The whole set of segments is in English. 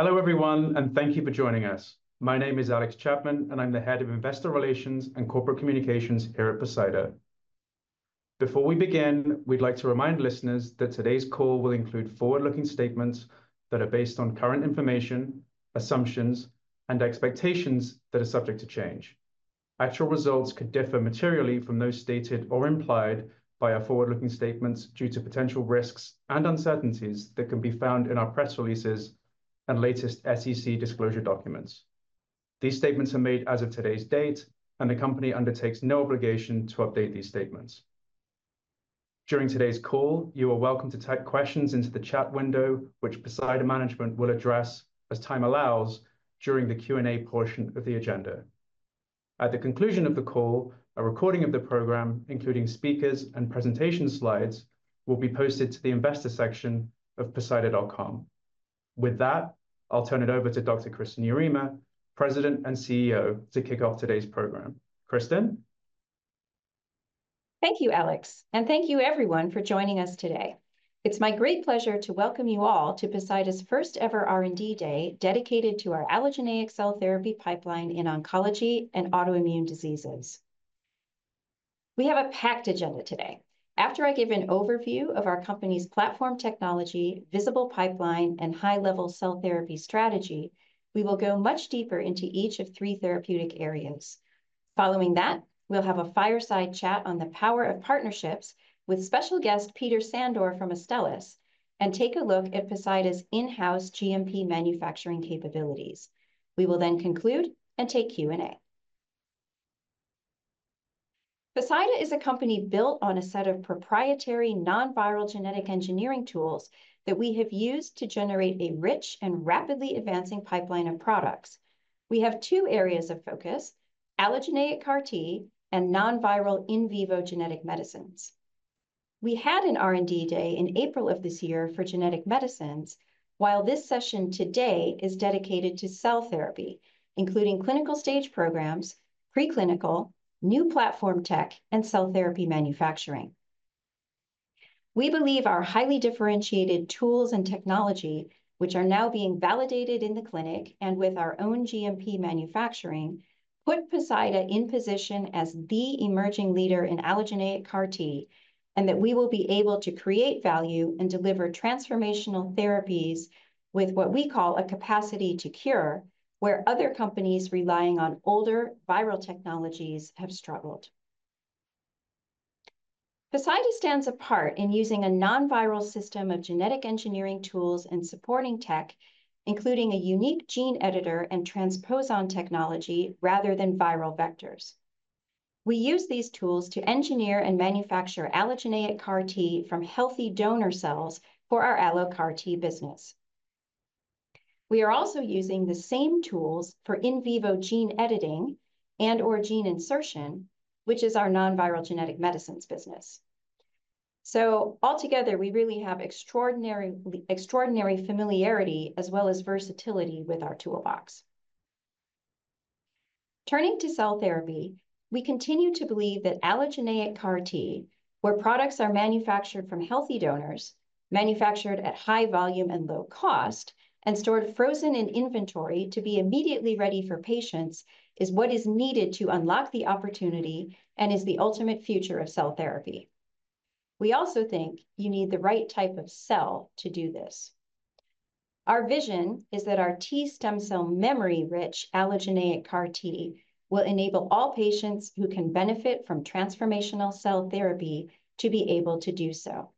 Hello everyone, and thank you for joining us. My name is Alex Chapman, and I'm the Head of Investor Relations and Corporate Communications here at Poseida. Before we begin, we'd like to remind listeners that today's call will include forward-looking statements that are based on current information, assumptions, and expectations that are subject to change. Actual results could differ materially from those stated or implied by our forward-looking statements due to potential risks and uncertainties that can be found in our press releases and latest SEC disclosure documents. These statements are made as of today's date, and the company undertakes no obligation to update these statements. During today's call, you are welcome to type questions into the chat window, which Poseida Management will address, as time allows, during the Q&A portion of the agenda. At the conclusion of the call, a recording of the program, including speakers and presentation slides, will be posted to the investor section of Poseida.com. With that, I'll turn it over to Dr. Kristin Yarema, President and CEO, to kick off today's program. Kristin? Thank you, Alex, and thank you everyone for joining us today. It's my great pleasure to welcome you all to Poseida's first-ever R&D day dedicated to our allogeneic cell therapy pipeline in oncology and autoimmune diseases. We have a packed agenda today. After I give an overview of our company's platform technology, visible pipeline, and high-level cell therapy strategy, we will go much deeper into each of three therapeutic areas. Following that, we'll have a fireside chat on the power of partnerships with special guest Peter Sandor from Astellas, and take a look at Poseida's in-house GMP manufacturing capabilities. We will then conclude and take Q&A. Poseida is a company built on a set of proprietary non-viral genetic engineering tools that we have used to generate a rich and rapidly advancing pipeline of products. We have two areas of focus: allogeneic CAR-T and non-viral in vivo genetic medicines. We had an R&D day in April of this year for genetic medicines, while this session today is dedicated to cell therapy, including clinical stage programs, preclinical, new platform tech, and cell therapy manufacturing. We believe our highly differentiated tools and technology, which are now being validated in the clinic and with our own GMP manufacturing, put Poseida in position as the emerging leader in allogeneic CAR-T, and that we will be able to create value and deliver transformational therapies with what we call a capacity to cure, where other companies relying on older viral technologies have struggled. Poseida stands apart in using a non-viral system of genetic engineering tools and supporting tech, including a unique gene editor and transposon technology rather than viral vectors. We use these tools to engineer and manufacture allogeneic CAR-T from healthy donor cells for our allo-CAR-T business. We are also using the same tools for in vivo gene editing and/or gene insertion, which is our non-viral genetic medicines business. So altogether, we really have extraordinary familiarity as well as versatility with our toolbox. Turning to cell therapy, we continue to believe that allogeneic CAR-T, where products are manufactured from healthy donors, manufactured at high volume and low cost, and stored frozen in inventory to be immediately ready for patients, is what is needed to unlock the opportunity and is the ultimate future of cell therapy. We also think you need the right type of cell to do this. Our vision is that our T stem cell memory-rich allogeneic CAR-T will enable all patients who can benefit from transformational cell therapy to be able to do so.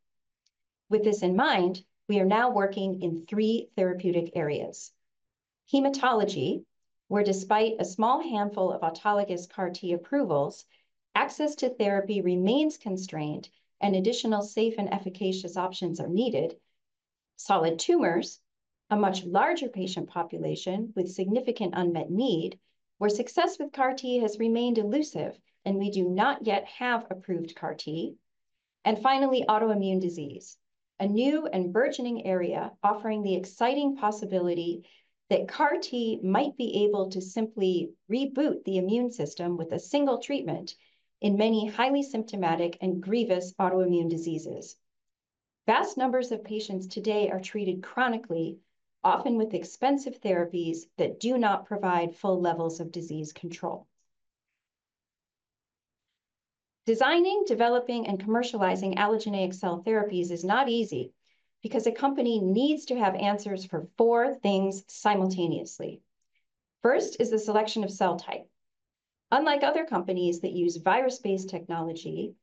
With this in mind, we are now working in three therapeutic areas: hematology, where despite a small handful of autologous CAR-T approvals, access to therapy remains constrained and additional safe and efficacious options are needed, solid tumors, a much larger patient population with significant unmet need, where success with CAR-T has remained elusive and we do not yet have approved CAR-T, and finally, autoimmune disease, a new and burgeoning area offering the exciting possibility that CAR-T might be able to simply reboot the immune system with a single treatment in many highly symptomatic and grievous autoimmune diseases. Vast numbers of patients today are treated chronically, often with expensive therapies that do not provide full levels of disease control. Designing, developing, and commercializing allogeneic cell therapies is not easy because a company needs to have answers for four things simultaneously. First is the selection of cell type. Unlike other companies that use virus-based technology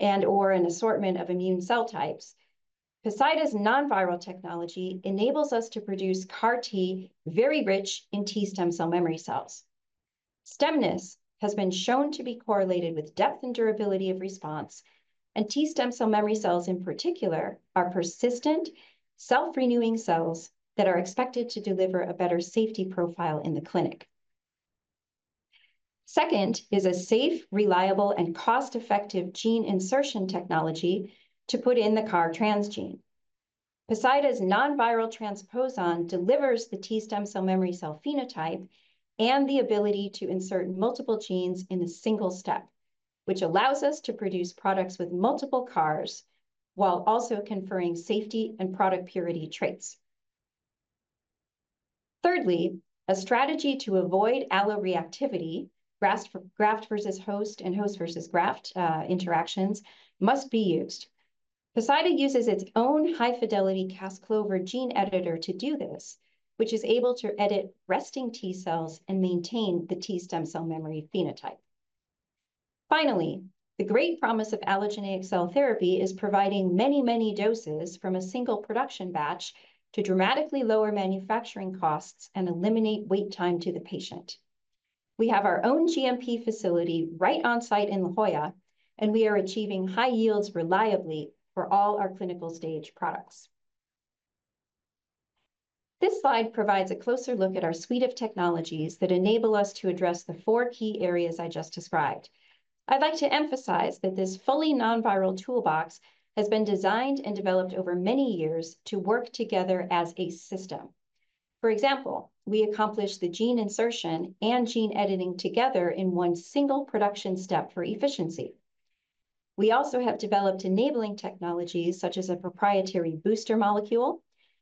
and/or an assortment of immune cell types, Poseida's non-viral technology enables us to produce CAR-T very rich in T stem cell memory cells. Stemness has been shown to be correlated with depth and durability of response, and T stem cell memory cells in particular are persistent, self-renewing cells that are expected to deliver a better safety profile in the clinic. Second is a safe, reliable, and cost-effective gene insertion technology to put in the CAR transgene. Poseida's non-viral transposon delivers the T stem cell memory cell phenotype and the ability to insert multiple genes in a single step, which allows us to produce products with multiple CARs while also conferring safety and product purity traits. Thirdly, a strategy to avoid allo-reactivity, graft versus host and host versus graft interactions, must be used. Poseida uses its own high-fidelity Cas-CLOVER gene editor to do this, which is able to edit resting T cells and maintain the T stem cell memory phenotype. Finally, the great promise of allogeneic cell therapy is providing many, many doses from a single production batch to dramatically lower manufacturing costs and eliminate wait time to the patient. We have our own GMP facility right on site in La Jolla, and we are achieving high yields reliably for all our clinical stage products. This slide provides a closer look at our suite of technologies that enable us to address the four key areas I just described. I'd like to emphasize that this fully non-viral toolbox has been designed and developed over many years to work together as a system. For example, we accomplish the gene insertion and gene editing together in one single production step for efficiency. We also have developed enabling technologies such as a proprietary booster molecule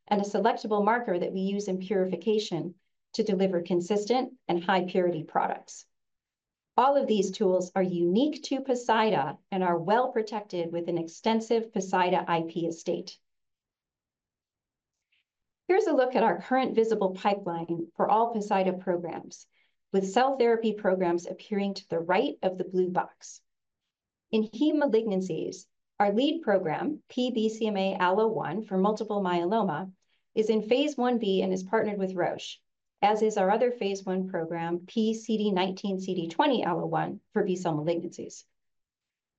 and a selectable marker that we use in purification to deliver consistent and high-purity products. All of these tools are unique to Poseida and are well protected with an extensive Poseida IP estate. Here's a look at our current visible pipeline for all Poseida programs, with cell therapy programs appearing to the right of the blue box. In heme malignancies, our lead program, P-BCMA-ALLO1 for multiple myeloma, is in phase 1b and is partnered with Roche, as is our other phase 1 program, P-CD19CD20-ALLO1 for B-cell malignancies.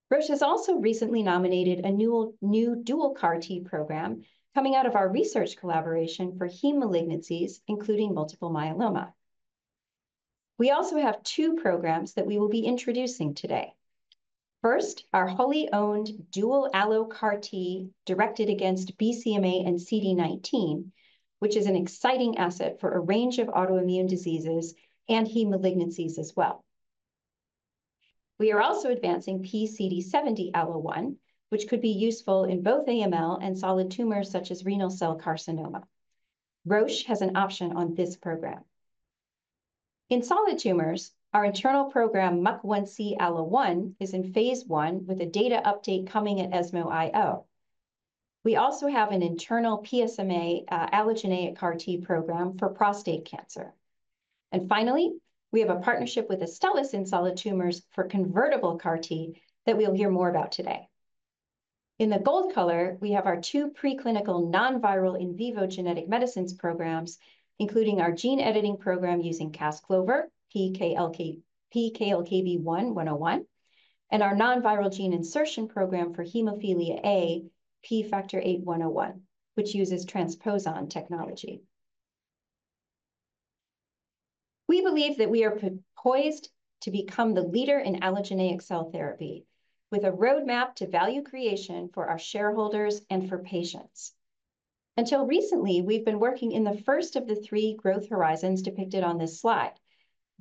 Roche has also recently nominated a new dual CAR-T program coming out of our research collaboration for heme malignancies, including multiple myeloma. We also have two programs that we will be introducing today. First, our wholly owned dual allo-CAR-T directed against BCMA and CD19, which is an exciting asset for a range of autoimmune diseases and heme malignancies as well. We are also advancing P-CD70-ALLO1, which could be useful in both AML and solid tumors such as renal cell carcinoma. Roche has an option on this program. In solid tumors, our internal program, P-MUC1C-ALLO1, is in phase 1 with a data update coming at ESMO IO. We also have an internal PSMA allogeneic CAR-T program for prostate cancer. And finally, we have a partnership with Astellas in solid tumors for convertible CAR-T that we'll hear more about today. In the gold color, we have our two preclinical non-viral in vivo genetic medicines programs, including our gene editing program using Cas-CLOVER, P-KLKB1-101, and our non-viral gene insertion program for hemophilia A, P-FVIII-101, which uses transposon technology. We believe that we are poised to become the leader in allogeneic cell therapy with a roadmap to value creation for our shareholders and for patients. Until recently, we've been working in the first of the three growth horizons depicted on this slide,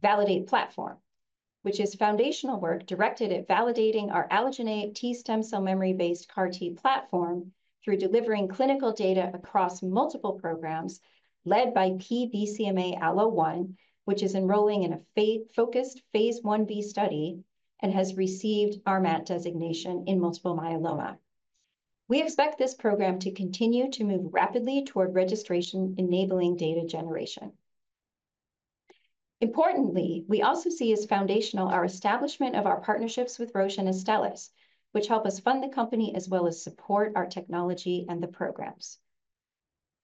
Validate Platform, which is foundational work directed at validating our allogeneic T stem cell memory-based CAR-T platform through delivering clinical data across multiple programs led by P-BCMA-ALLO1, which is enrolling in a focused phase I B study and has received RMAT designation in multiple myeloma. We expect this program to continue to move rapidly toward registration-enabling data generation. Importantly, we also see as foundational our establishment of our partnerships with Roche and Astellas, which help us fund the company as well as support our technology and the programs.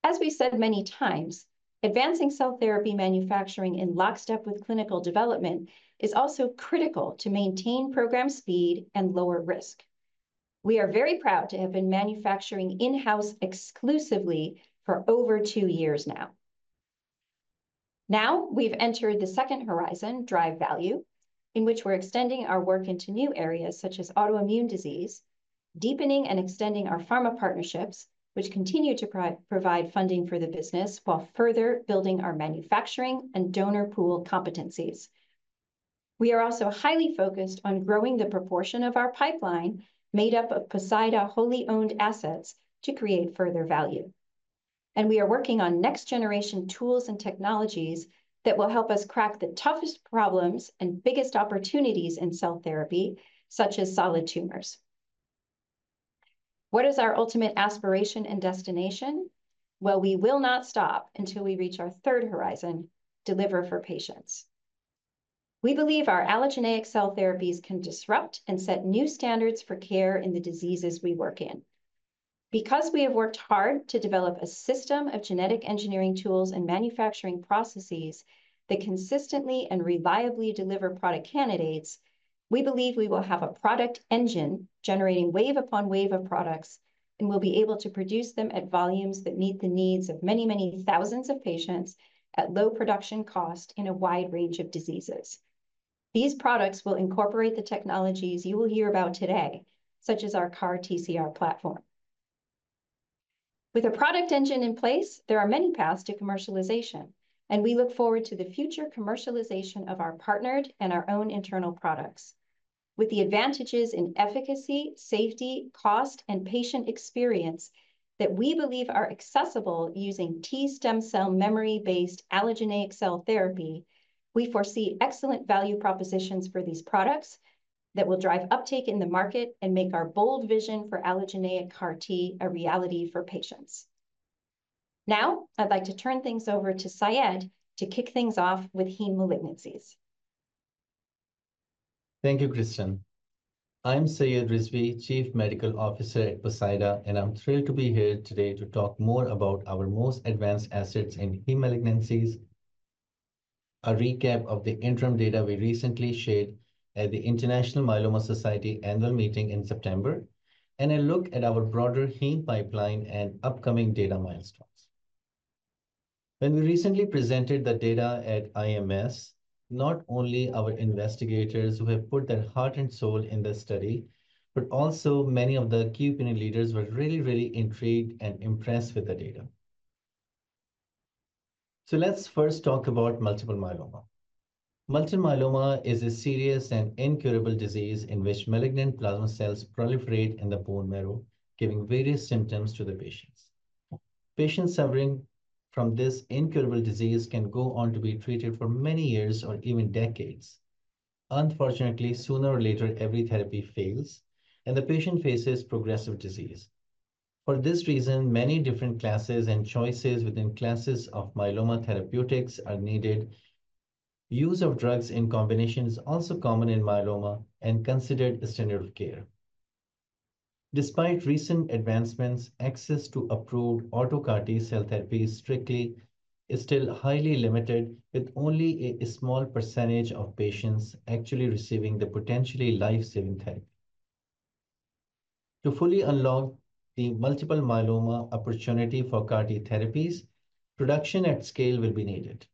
As we said many times, advancing cell therapy manufacturing in lockstep with clinical development is also critical to maintain program speed and lower risk. We are very proud to have been manufacturing in-house exclusively for over two years now. Now we've entered the second horizon, Drive Value, in which we're extending our work into new areas such as autoimmune disease, deepening and extending our pharma partnerships, which continue to provide funding for the business while further building our manufacturing and donor pool competencies. We are also highly focused on growing the proportion of our pipeline made up of Poseida wholly owned assets to create further value, and we are working on next-generation tools and technologies that will help us crack the toughest problems and biggest opportunities in cell therapy, such as solid tumors. What is our ultimate aspiration and destination? We will not stop until we reach our third horizon, deliver for patients. We believe our allogeneic cell therapies can disrupt and set new standards for care in the diseases we work in. Because we have worked hard to develop a system of genetic engineering tools and manufacturing processes that consistently and reliably deliver product candidates, we believe we will have a product engine generating wave upon wave of products and will be able to produce them at volumes that meet the needs of many, many thousands of patients at low production cost in a wide range of diseases. These products will incorporate the technologies you will hear about today, such as our CAR-TCR platform. With a product engine in place, there are many paths to commercialization, and we look forward to the future commercialization of our partnered and our own internal products. With the advantages in efficacy, safety, cost, and patient experience that we believe are accessible using T stem cell memory-based allogeneic cell therapy, we foresee excellent value propositions for these products that will drive uptake in the market and make our bold vision for allogeneic CAR-T a reality for patients. Now, I'd like to turn things over to Syed to kick things off with heme malignancies. Thank you, Kristin. I'm Syed Rizvi, Chief Medical Officer at Poseida, and I'm thrilled to be here today to talk more about our most advanced assets in heme malignancies, a recap of the interim data we recently shared at the International Myeloma Society annual meeting in September, and a look at our broader heme pipeline and upcoming data milestones. When we recently presented the data at IMS, not only our investigators who have put their heart and soul in the study, but also many of the key opinion leaders were really, really intrigued and impressed with the data, so let's first talk about multiple myeloma. Multiple myeloma is a serious and incurable disease in which malignant plasma cells proliferate in the bone marrow, giving various symptoms to the patients. Patients suffering from this incurable disease can go on to be treated for many years or even decades. Unfortunately, sooner or later, every therapy fails, and the patient faces progressive disease. For this reason, many different classes and choices within classes of myeloma therapeutics are needed. Use of drugs in combination is also common in myeloma and considered a standard of care. Despite recent advancements, access to approved auto CAR-T cell therapy strictly is still highly limited, with only a small percentage of patients actually receiving the potentially life-saving therapy. To fully unlock the multiple myeloma opportunity for CAR-T therapies, production at scale will be needed.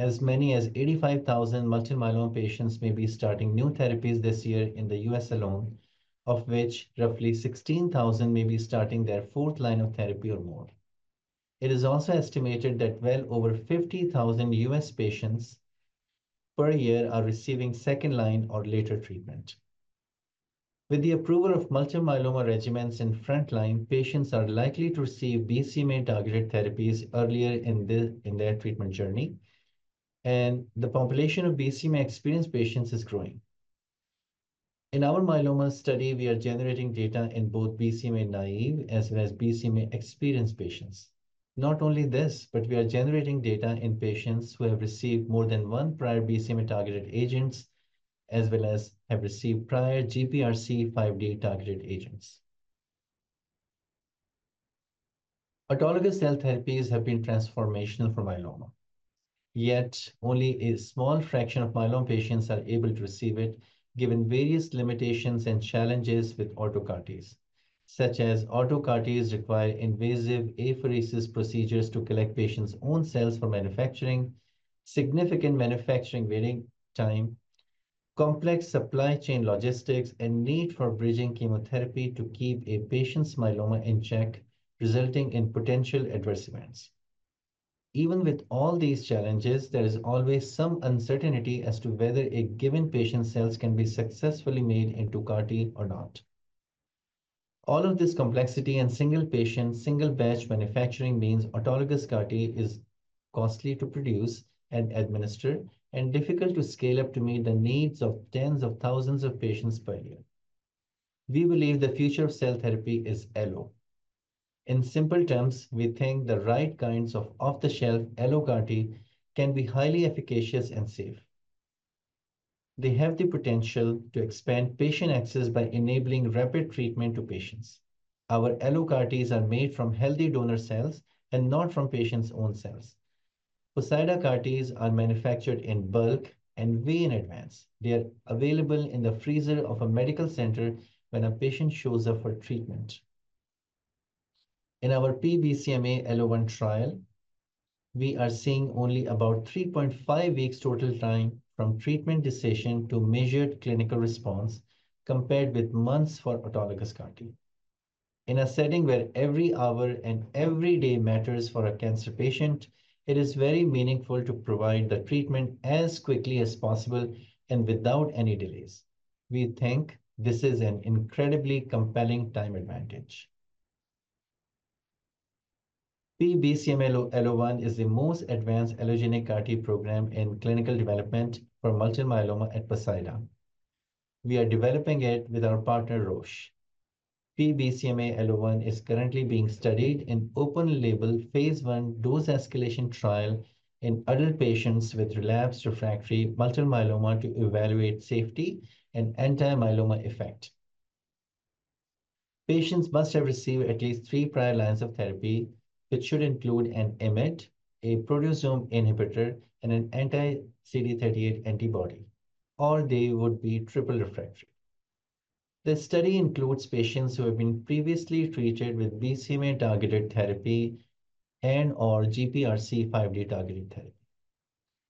As many as 85,000 multiple myeloma patients may be starting new therapies this year in the U.S. alone, of which roughly 16,000 may be starting their fourth line of therapy or more. It is also estimated that well over 50,000 U.S. patients per year are receiving second line or later treatment. With the approval of multiple myeloma regimens in front line, patients are likely to receive BCMA-targeted therapies earlier in their treatment journey, and the population of BCMA experienced patients is growing. In our myeloma study, we are generating data in both BCMA naive as well as BCMA experienced patients. Not only this, but we are generating data in patients who have received more than one prior BCMA-targeted agents as well as have received prior GPRC5D-targeted agents. Autologous cell therapies have been transformational for myeloma. Yet, only a small fraction of myeloma patients are able to receive it, given various limitations and challenges with auto CAR-Ts, such as auto CAR-Ts require invasive apheresis procedures to collect patients' own cells for manufacturing, significant manufacturing waiting time, complex supply chain logistics, and need for bridging chemotherapy to keep a patient's myeloma in check, resulting in potential adverse events. Even with all these challenges, there is always some uncertainty as to whether a given patient's cells can be successfully made into CAR-T or not. All of this complexity and single patient, single batch manufacturing means autologous CAR-T is costly to produce and administer, and difficult to scale up to meet the needs of tens of thousands of patients per year. We believe the future of cell therapy is allo. In simple terms, we think the right kinds of off-the-shelf allo CAR-T can be highly efficacious and safe. They have the potential to expand patient access by enabling rapid treatment to patients. Our allo CAR-Ts are made from healthy donor cells and not from patients' own cells. Poseida CAR-Ts are manufactured in bulk and way in advance. They are available in the freezer of a medical center when a patient shows up for treatment. In our P-BCMA-ALLO1 trial, we are seeing only about 3.5 weeks total time from treatment decision to measured clinical response compared with months for autologous CAR-T. In a setting where every hour and every day matters for a cancer patient, it is very meaningful to provide the treatment as quickly as possible and without any delays. We think this is an incredibly compelling time advantage. P-BCMA-ALLO1 is the most advanced allogeneic CAR-T program in clinical development for multiple myeloma at Poseida. We are developing it with our partner, Roche. P-BCMA-ALLO1 is currently being studied in open-label phase I dose escalation trial in adult patients with relapsed refractory multiple myeloma to evaluate safety and anti-myeloma effect. Patients must have received at least three prior lines of therapy, which should include an IMiD, a proteasome inhibitor, and an anti-CD38 antibody, or they would be triple refractory. The study includes patients who have been previously treated with BCMA-targeted therapy and/or GPRC5D-targeted therapy.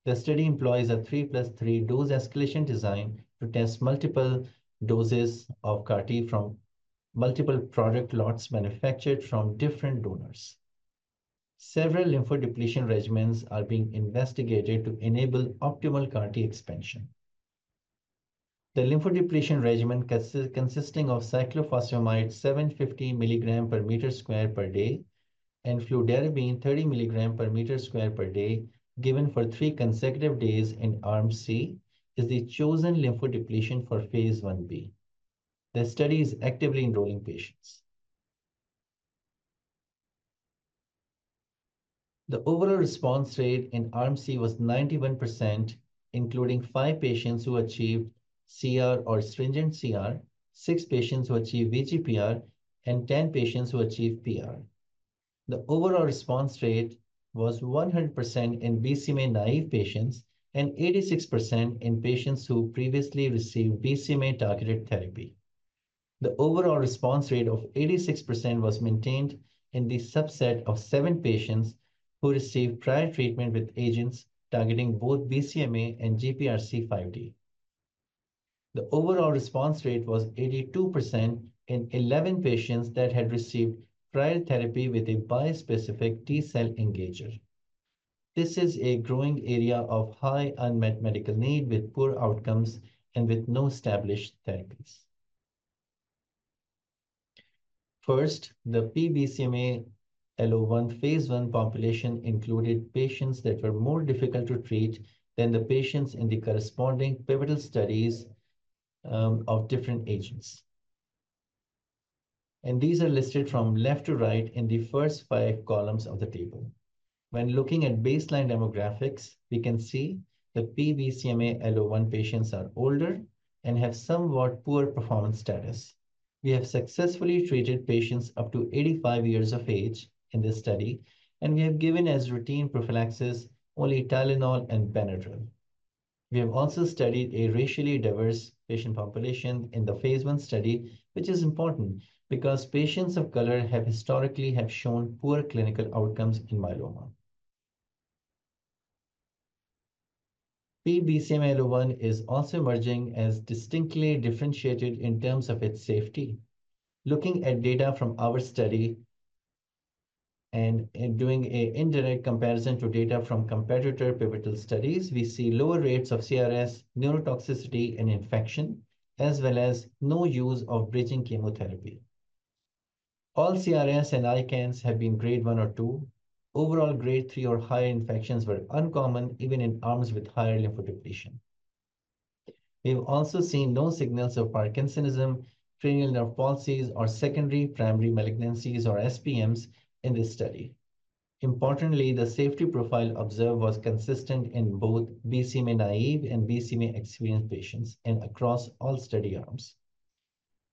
The study employs a 3+ 3 dose escalation design to test multiple doses of CAR-T from multiple product lots manufactured from different donors. Several lymphodepletion regimens are being investigated to enable optimal CAR-T expansion. The lymphodepletion regimen consisting of cyclophosphamide 750 milligrams per square meter per day and fludarabine 30 milligrams per square meter per day given for three consecutive days in Arm C is the chosen lymphodepletion for phase I B. The study is actively enrolling patients. The overall response rate in Arm C was 91%, including five patients who achieved CR or stringent CR, six patients who achieved VGPR, and 10 patients who achieved PR. The overall response rate was 100% in BCMA naive patients and 86% in patients who previously received BCMA-targeted therapy. The overall response rate of 86% was maintained in the subset of seven patients who received prior treatment with agents targeting both BCMA and GPRC5D. The overall response rate was 82% in 11 patients that had received prior therapy with a bispecific T cell engager. This is a growing area of high unmet medical need with poor outcomes and with no established therapies. First, the P-BCMA-ALLO1 phase one population included patients that were more difficult to treat than the patients in the corresponding pivotal studies of different agents, and these are listed from left to right in the first five columns of the table. When looking at baseline demographics, we can see the P-BCMA-ALLO1 patients are older and have somewhat poor performance status. We have successfully treated patients up to 85 years of age in this study, and we have given as routine prophylaxis only Tylenol and Benadryl. We have also studied a racially diverse patient population in the phase 1 study, which is important because patients of color have historically shown poor clinical outcomes in myeloma. P-BCMA-ALLO1 is also emerging as distinctly differentiated in terms of its safety. Looking at data from our study and doing an indirect comparison to data from competitor pivotal studies, we see lower rates of CRS, neurotoxicity, and infection, as well as no use of bridging chemotherapy. All CRS and ICANS have been grade one or two. Overall, grade three or higher infections were uncommon, even in arms with higher lymphodepletion. We've also seen no signals of Parkinsonism, cranial nerve palsies, or secondary primary malignancies or SPMs in this study. Importantly, the safety profile observed was consistent in both BCMA naive and BCMA experienced patients and across all study arms.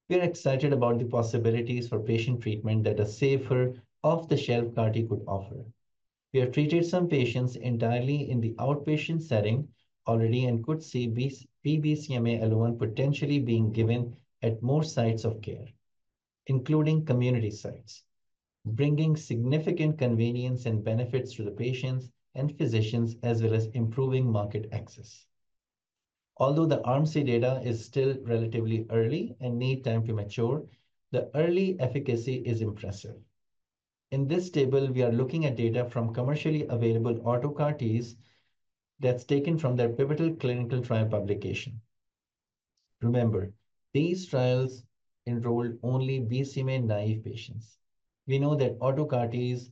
We're excited about the possibilities for patient treatment that a safer off-the-shelf CAR-T could offer. We have treated some patients entirely in the outpatient setting already and could see P-BCMA-ALLO1 potentially being given at more sites of care, including community sites, bringing significant convenience and benefits to the patients and physicians, as well as improving market access. Although the ORR data is still relatively early and need time to mature, the early efficacy is impressive. In this table, we are looking at data from commercially available auto CAR-Ts that's taken from their pivotal clinical trial publication. Remember, these trials enrolled only BCMA naive patients. We know that auto CAR-Ts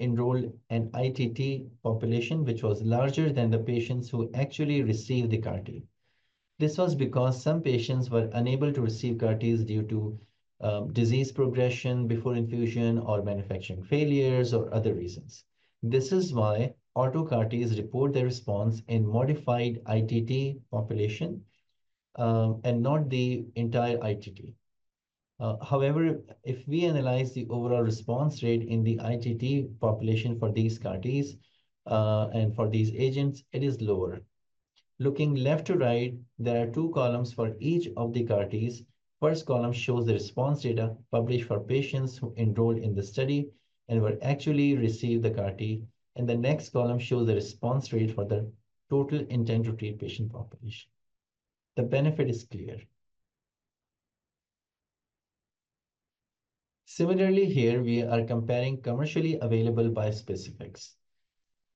enrolled an ITT population, which was larger than the patients who actually received the CAR-T. This was because some patients were unable to receive CAR-Ts due to disease progression before infusion or manufacturing failures or other reasons. This is why auto CAR-Ts report their response in modified ITT population and not the entire ITT. However, if we analyze the overall response rate in the ITT population for these CAR-Ts and for these agents, it is lower. Looking left to right, there are two columns for each of the CAR-Ts. First column shows the response data published for patients who enrolled in the study and were actually received the CAR-T, and the next column shows the response rate for the total intent to treat patient population. The benefit is clear. Similarly, here we are comparing commercially available bispecifics: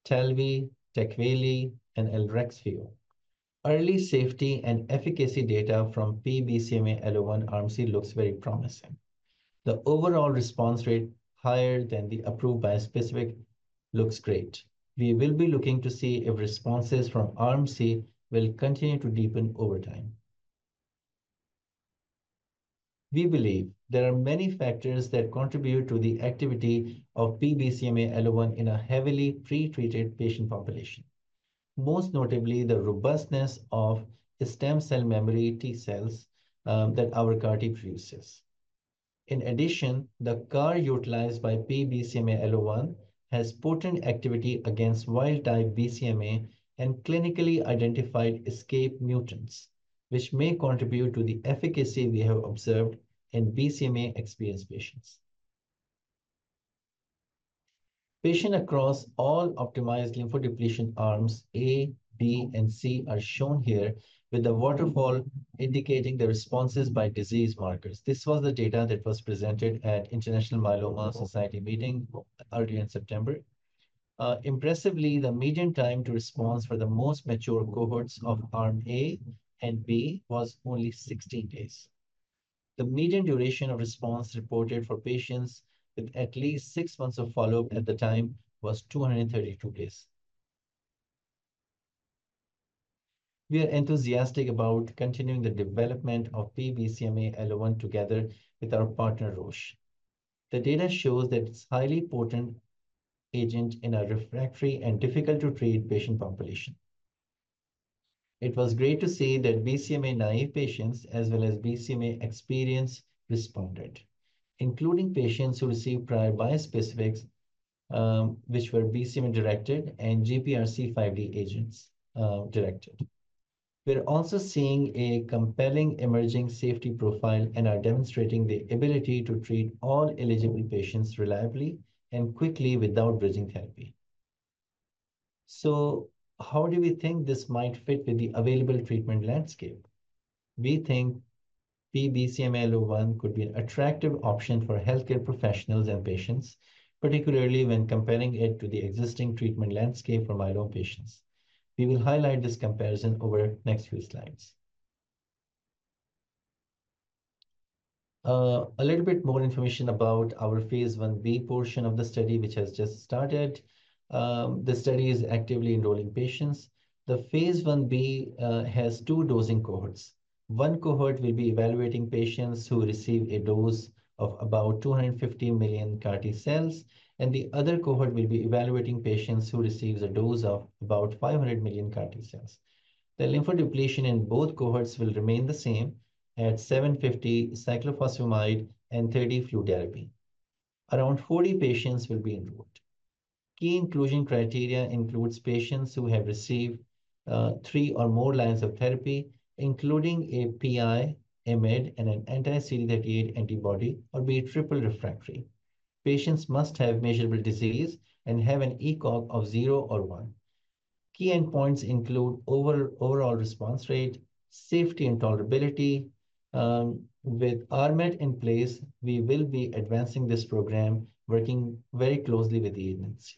Talvey, Tecvayli, and Elrexfio. Early safety and efficacy data from P-BCMA-ALLO1 Arm C looks very promising. The overall response rate higher than the approved bispecific looks great. We will be looking to see if responses from Arm C will continue to deepen over time. We believe there are many factors that contribute to the activity of P-BCMA-ALLO1 in a heavily pretreated patient population, most notably the robustness of stem cell memory T cells that our CAR-T produces. In addition, the CAR utilized by P-BCMA-ALLO1 has potent activity against wild-type BCMA and clinically identified escape mutants, which may contribute to the efficacy we have observed in BCMA experienced patients. Patients across all optimized lymphodepletion ARMCs A, B, and C are shown here, with the waterfall indicating the responses by disease markers. This was the data that was presented at the International Myeloma Society meeting earlier in September. Impressively, the median time to response for the most mature cohorts of ARMCs A and B was only 16 days. The median duration of response reported for patients with at least six months of follow-up at the time was 232 days. We are enthusiastic about continuing the development of P-BCMA-ALLO1 together with our partner, Roche. The data shows that it's a highly potent agent in a refractory and difficult-to-treat patient population. It was great to see that BCMA naive patients as well as BCMA experienced responded, including patients who received prior bispecifics, which were BCMA-directed and GPRC5D agents-directed. We're also seeing a compelling emerging safety profile and are demonstrating the ability to treat all eligible patients reliably and quickly without bridging therapy. So how do we think this might fit with the available treatment landscape? We think P-BCMA-ALLO1 could be an attractive option for healthcare professionals and patients, particularly when comparing it to the existing treatment landscape for myeloma patients. We will highlight this comparison over the next few slides. A little bit more information about our phase 1b portion of the study, which has just started. The study is actively enrolling patients. The phase 1B has two dosing cohorts. One cohort will be evaluating patients who receive a dose of about 250 million CAR-T cells, and the other cohort will be evaluating patients who receive a dose of about 500 million CAR-T cells. The lymphodepletion in both cohorts will remain the same at 750 cyclophosphamide and 30 fludarabine. Around 40 patients will be enrolled. Key inclusion criteria includes patients who have received three or more lines of therapy, including a PI, IMiD, and an anti-CD38 antibody, or be triple refractory. Patients must have measurable disease and have an ECOG of zero or one. Key endpoints include overall response rate, safety, and tolerability. With RMAT in place, we will be advancing this program, working very closely with the agency.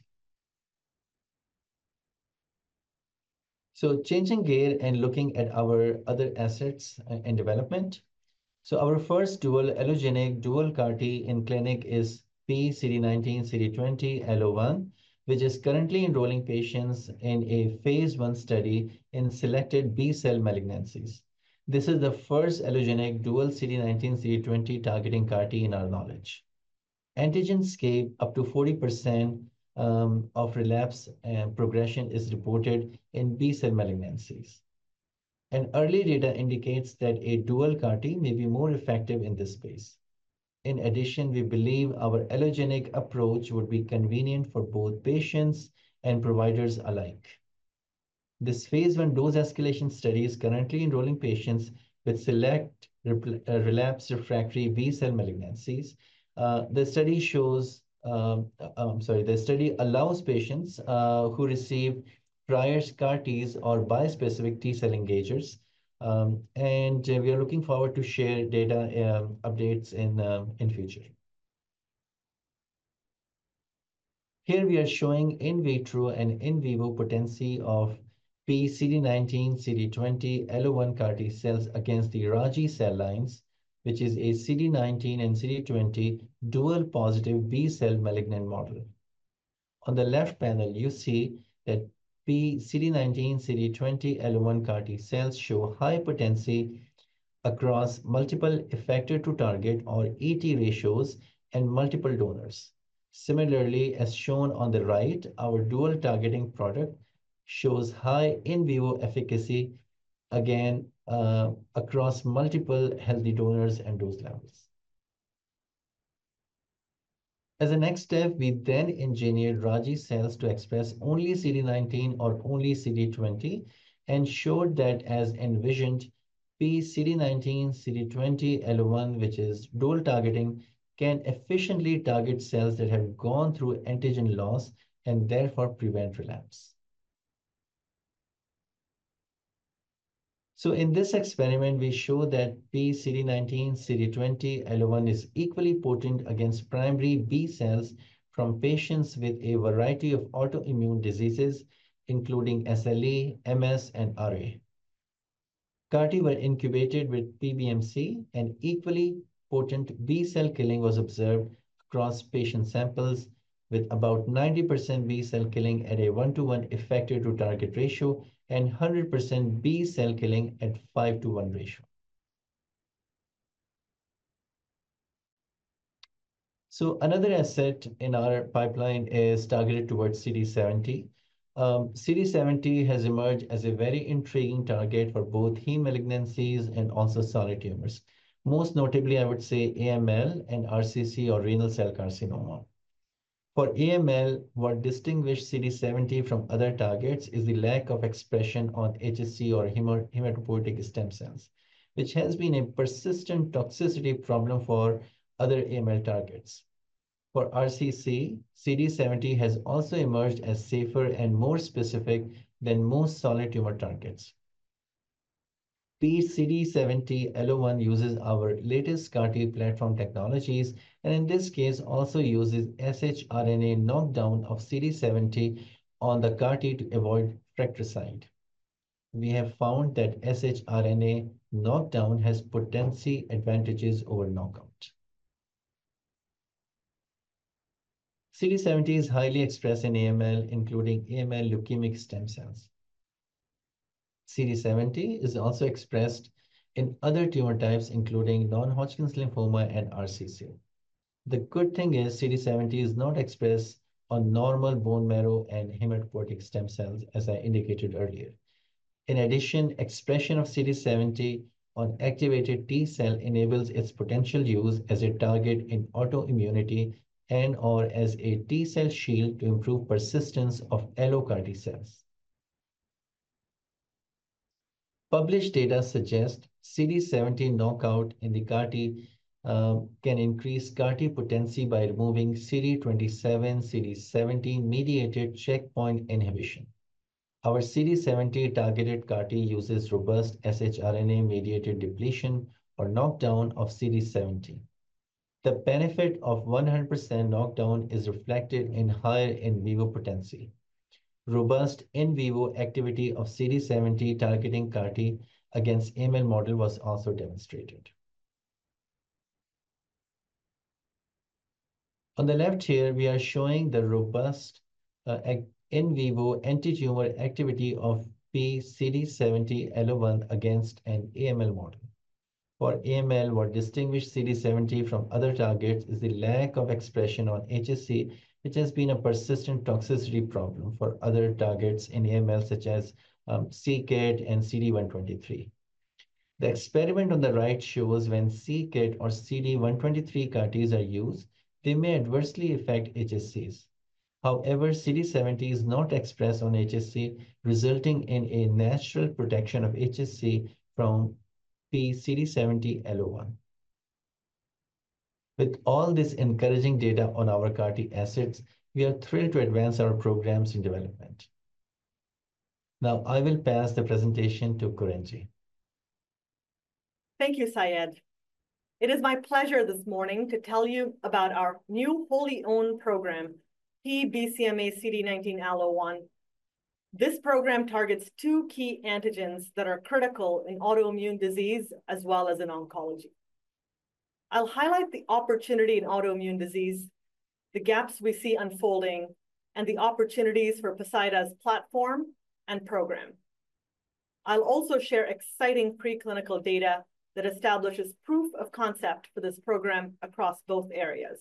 Changing gear and looking at our other assets and development. Our first dual allogeneic dual CAR-T in clinic is P-CD19CD20-ALLO1, which is currently enrolling patients in a phase one study in selected B-cell malignancies. This is the first allogeneic dual CD19, CD20 targeting CAR-T in our knowledge. Antigen escape up to 40% of relapse and progression is reported in B-cell malignancies. Early data indicates that a dual CAR-T may be more effective in this space. In addition, we believe our allogeneic approach would be convenient for both patients and providers alike. This phase one dose escalation study is currently enrolling patients with select relapse refractory B-cell malignancies. The study shows. I'm sorry, the study allows patients who received prior CAR-Ts or bispecific T-cell engagers. We are looking forward to share data updates in the future. Here we are showing in vitro and in vivo potency of P-CD19CD20-ALLO1 CAR-T cells against the Raji cell lines, which is a CD19 and CD20 dual positive B-cell malignant model. On the left panel, you see that P-CD19CD20-ALLO1 CAR-T cells show high potency across multiple effector-to-target or E:T ratios and multiple donors. Similarly, as shown on the right, our dual targeting product shows high in vivo efficacy, again, across multiple healthy donors and dose levels. As a next step, we then engineered Raji cells to express only CD19 or only CD20 and showed that, as envisioned, P-CD19CD20-ALLO1, which is dual targeting, can efficiently target cells that have gone through antigen loss and therefore prevent relapse. So in this experiment, we show that P-CD19CD20-ALLO1 is equally potent against primary B cells from patients with a variety of autoimmune diseases, including SLE, MS, and RA. CAR-T were incubated with PBMC, and equally potent B cell killing was observed across patient samples with about 90% B cell killing at a one-to-one effector-to-target ratio and 100% B cell killing at five-to-one ratio. So another asset in our pipeline is targeted towards CD70. CD70 has emerged as a very intriguing target for both hematologic malignancies and also solid tumors, most notably, I would say, AML and RCC or renal cell carcinoma. For AML, what distinguished CD70 from other targets is the lack of expression on HSC or hematopoietic stem cells, which has been a persistent toxicity problem for other AML targets. For RCC, CD70 has also emerged as safer and more specific than most solid tumor targets. P-CD70-ALLO1 uses our latest CAR-T platform technologies and, in this case, also uses shRNA knockdown of CD70 on the CAR-T to avoid fratricide. We have found that shRNA knockdown has potency advantages over knockout. CD70 is highly expressed in AML, including AML leukemic stem cells. CD70 is also expressed in other tumor types, including non-Hodgkin's lymphoma and RCC. The good thing is CD70 is not expressed on normal bone marrow and hematopoietic stem cells, as I indicated earlier. In addition, expression of CD70 on activated T cell enables its potential use as a target in autoimmunity and/or as a T cell shield to improve persistence of allogeneic CAR-T cells. Published data suggest CD70 knockout in the CAR-T can increase CAR-T potency by removing CD27-CD70-mediated checkpoint inhibition. Our CD70 targeted CAR-T uses robust shRNA-mediated depletion or knockdown of CD70. The benefit of 100% knockdown is reflected in higher in vivo potency. Robust in vivo activity of CD70 targeting CAR-T against AML model was also demonstrated. On the left here, we are showing the robust in vivo anti-tumor activity of P-CD70-ALLO1 against an AML model. For AML, what distinguished CD70 from other targets is the lack of expression on HSC, which has been a persistent toxicity problem for other targets in AML, such as CKIT and CD123. The experiment on the right shows when CKIT or CD123 CAR-Ts are used, they may adversely affect HSCs. However, CD70 is not expressed on HSC, resulting in a natural protection of HSC from P-CD70-ALLO1. With all this encouraging data on our CAR-T assets, we are thrilled to advance our programs in development. Now I will pass the presentation to Kurinji. Thank you, Syed. It is my pleasure this morning to tell you about our new wholly owned program, P-BCMA-CD19-ALLO1. This program targets two key antigens that are critical in autoimmune disease as well as in oncology. I'll highlight the opportunity in autoimmune disease, the gaps we see unfolding, and the opportunities for Poseida's platform and program. I'll also share exciting preclinical data that establishes proof of concept for this program across both areas.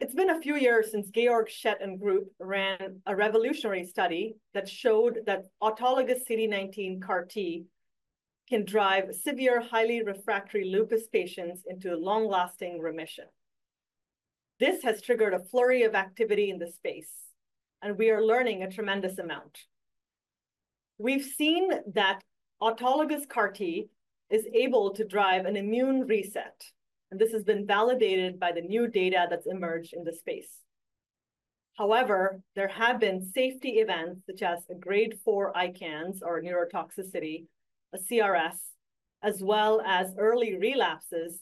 It's been a few years since Georg Schett and group ran a revolutionary study that showed that autologous CD19 CAR-T can drive severe, highly refractory lupus patients into a long-lasting remission. This has triggered a flurry of activity in the space, and we are learning a tremendous amount. We've seen that autologous CAR-T is able to drive an immune reset, and this has been validated by the new data that's emerged in the space. However, there have been safety events such as a grade four ICANS or neurotoxicity, a CRS, as well as early relapses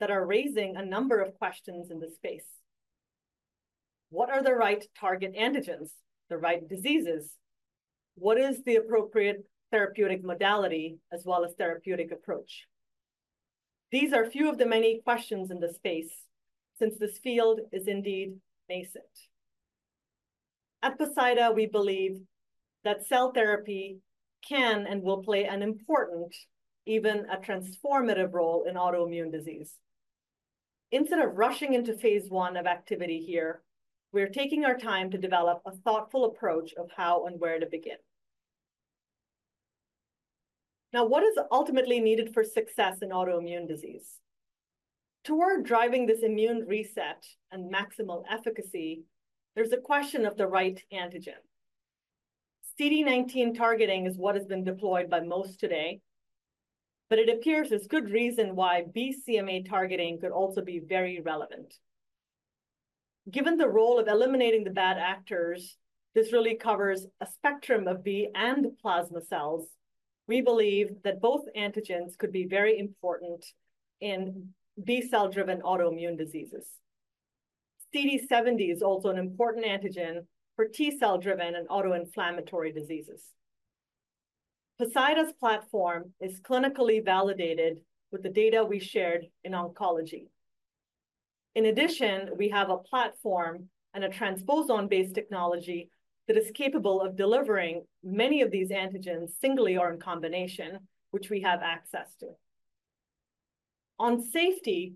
that are raising a number of questions in the space. What are the right target antigens, the right diseases? What is the appropriate therapeutic modality as well as therapeutic approach? These are a few of the many questions in the space since this field is indeed nascent. At Poseida, we believe that cell therapy can and will play an important, even a transformative role in autoimmune disease. Instead of rushing into phase one of activity here, we're taking our time to develop a thoughtful approach of how and where to begin. Now, what is ultimately needed for success in autoimmune disease? Toward driving this immune reset and maximal efficacy, there's a question of the right antigen. CD19 targeting is what has been deployed by most today, but it appears there's good reason why BCMA targeting could also be very relevant. Given the role of eliminating the bad actors, this really covers a spectrum of B-cell and plasma cells. We believe that both antigens could be very important in B-cell-driven autoimmune diseases. CD70 is also an important antigen for T-cell-driven and autoinflammatory diseases. Poseida's platform is clinically validated with the data we shared in oncology. In addition, we have a platform and a transposon-based technology that is capable of delivering many of these antigens singly or in combination, which we have access to. On safety,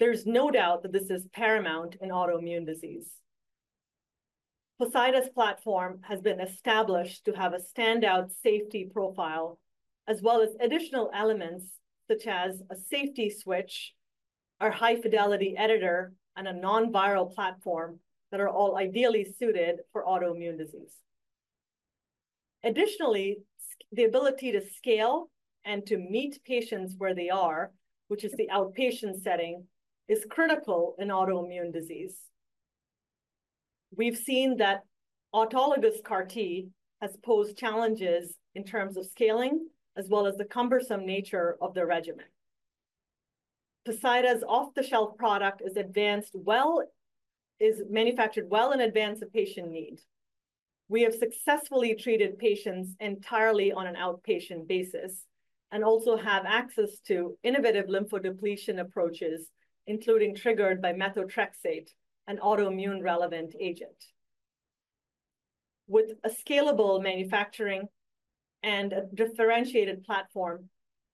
there's no doubt that this is paramount in autoimmune disease. Poseida's platform has been established to have a standout safety profile as well as additional elements such as a safety switch, a high-fidelity editor, and a non-viral platform that are all ideally suited for autoimmune disease. Additionally, the ability to scale and to meet patients where they are, which is the outpatient setting, is critical in autoimmune disease. We've seen that autologous CAR-T has posed challenges in terms of scaling as well as the cumbersome nature of the regimen. Poseida's off-the-shelf product is manufactured well in advance of patient need. We have successfully treated patients entirely on an outpatient basis and also have access to innovative lymphodepletion approaches, including triggered by methotrexate, an autoimmune-relevant agent. With a scalable manufacturing and a differentiated platform,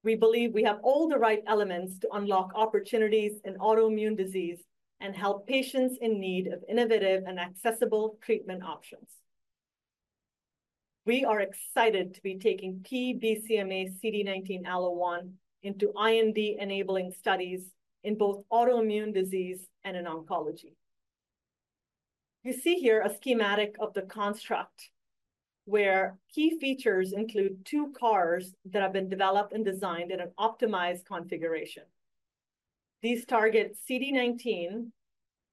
we believe we have all the right elements to unlock opportunities in autoimmune disease and help patients in need of innovative and accessible treatment options. We are excited to be taking P-BCMA-CD19-ALLO1 into IND-enabling studies in both autoimmune disease and in oncology. You see here a schematic of the construct where key features include two CARs that have been developed and designed in an optimized configuration. These target CD19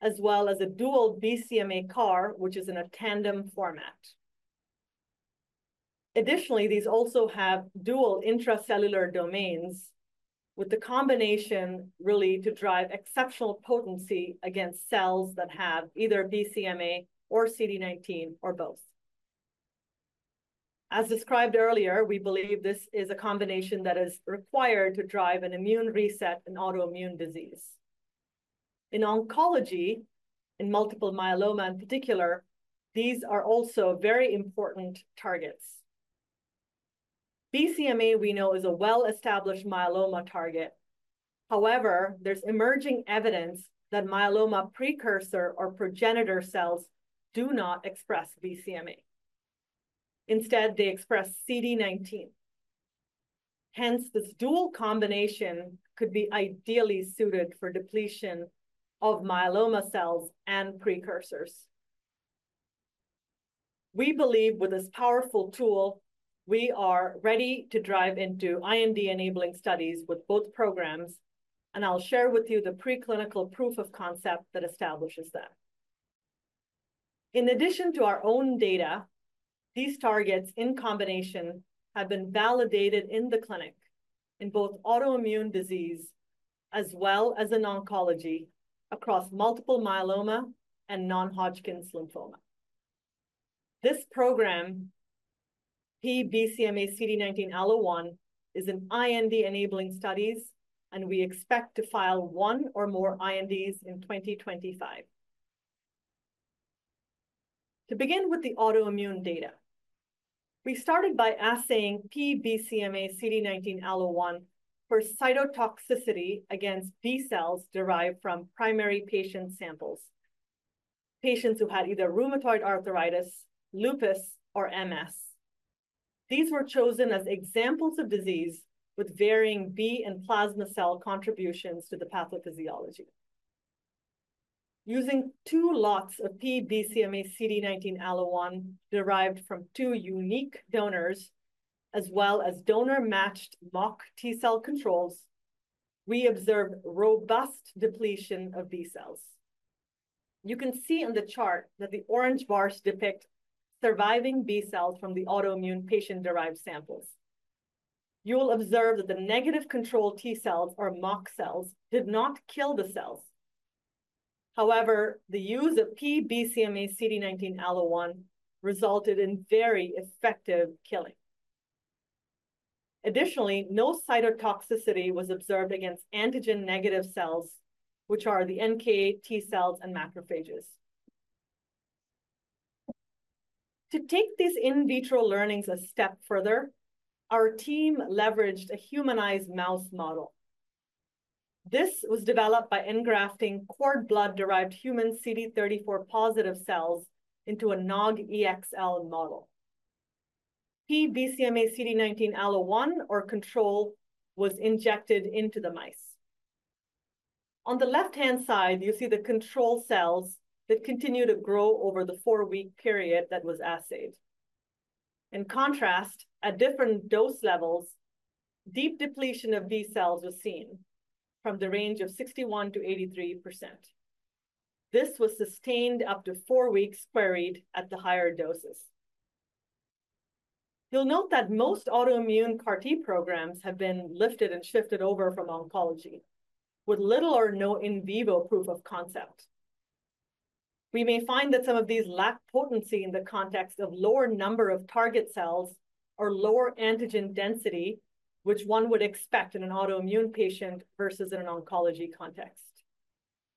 as well as a dual BCMA CAR, which is in a tandem format. Additionally, these also have dual intracellular domains with the combination really to drive exceptional potency against cells that have either BCMA or CD19 or both. As described earlier, we believe this is a combination that is required to drive an immune reset in autoimmune disease. In oncology, in multiple myeloma in particular, these are also very important targets. BCMA, we know, is a well-established myeloma target. However, there's emerging evidence that myeloma precursor or progenitor cells do not express BCMA. Instead, they express CD19. Hence, this dual combination could be ideally suited for depletion of myeloma cells and precursors. We believe with this powerful tool, we are ready to drive into IND-enabling studies with both programs, and I'll share with you the preclinical proof of concept that establishes that. In addition to our own data, these targets in combination have been validated in the clinic in both autoimmune disease as well as in oncology across multiple myeloma and non-Hodgkin's lymphoma. This program, P-BCMA-CD19-ALLO1, is in IND-enabling studies, and we expect to file one or more INDs in 2025. To begin with the autoimmune data, we started by assaying P-BCMA-CD19-ALLO1 for cytotoxicity against B cells derived from primary patient samples, patients who had either rheumatoid arthritis, lupus, or MS. These were chosen as examples of disease with varying B and plasma cell contributions to the pathophysiology. Using two lots of P-BCMA-CD19-ALLO1 derived from two unique donors as well as donor-matched mock T cell controls, we observed robust depletion of B cells. You can see on the chart that the orange bars depict surviving B cells from the autoimmune patient-derived samples. You'll observe that the negative control T cells or mock cells did not kill the cells. However, the use of P-BCMA-CD19-ALLO1 resulted in very effective killing. Additionally, no cytotoxicity was observed against antigen-negative cells, which are the NK T cells and macrophages. To take these in vitro learnings a step further, our team leveraged a humanized mouse model. This was developed by engrafting cord blood-derived human CD34 positive cells into a NOG-EXL model. P-BCMA-CD19-ALLO1 or control was injected into the mice. On the left-hand side, you see the control cells that continue to grow over the four-week period that was assayed. In contrast, at different dose levels, deep depletion of B cells was seen from the range of 61%-83%. This was sustained up to four weeks queried at the higher doses. You'll note that most autoimmune CAR-T programs have been lifted and shifted over from oncology with little or no in vivo proof of concept. We may find that some of these lack potency in the context of lower number of target cells or lower antigen density, which one would expect in an autoimmune patient versus in an oncology context.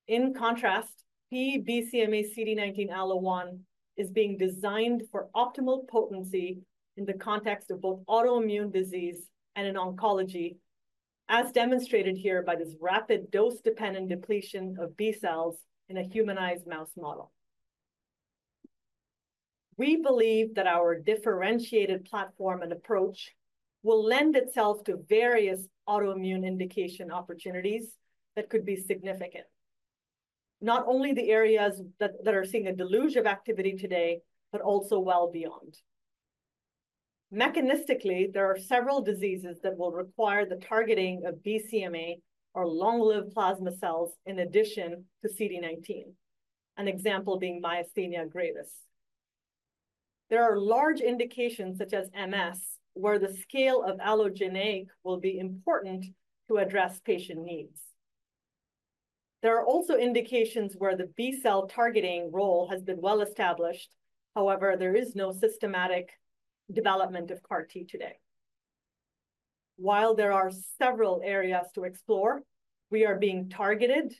In contrast, P-BCMA-CD19-ALLO1 is being designed for optimal potency in the context of both autoimmune disease and in oncology, as demonstrated here by this rapid dose-dependent depletion of B cells in a humanized mouse model. We believe that our differentiated platform and approach will lend itself to various autoimmune indication opportunities that could be significant, not only the areas that are seeing a deluge of activity today, but also well beyond. Mechanistically, there are several diseases that will require the targeting of BCMA or long-lived plasma cells in addition to CD19, an example being myasthenia gravis. There are large indications such as MS, where the scale of allogeneic will be important to address patient needs. There are also indications where the B cell targeting role has been well established. However, there is no systematic development of CAR-T today. While there are several areas to explore, we are being targeted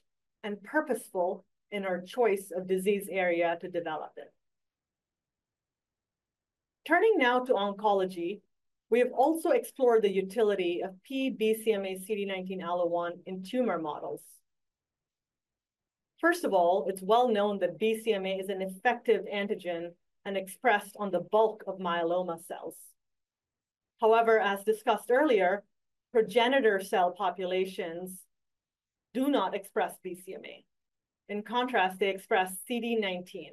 and purposeful in our choice of disease area to develop it. Turning now to oncology, we have also explored the utility of P-BCMA-CD19-ALLO1 in tumor models. First of all, it's well known that BCMA is an effective antigen and expressed on the bulk of myeloma cells. However, as discussed earlier, progenitor cell populations do not express BCMA. In contrast, they express CD19.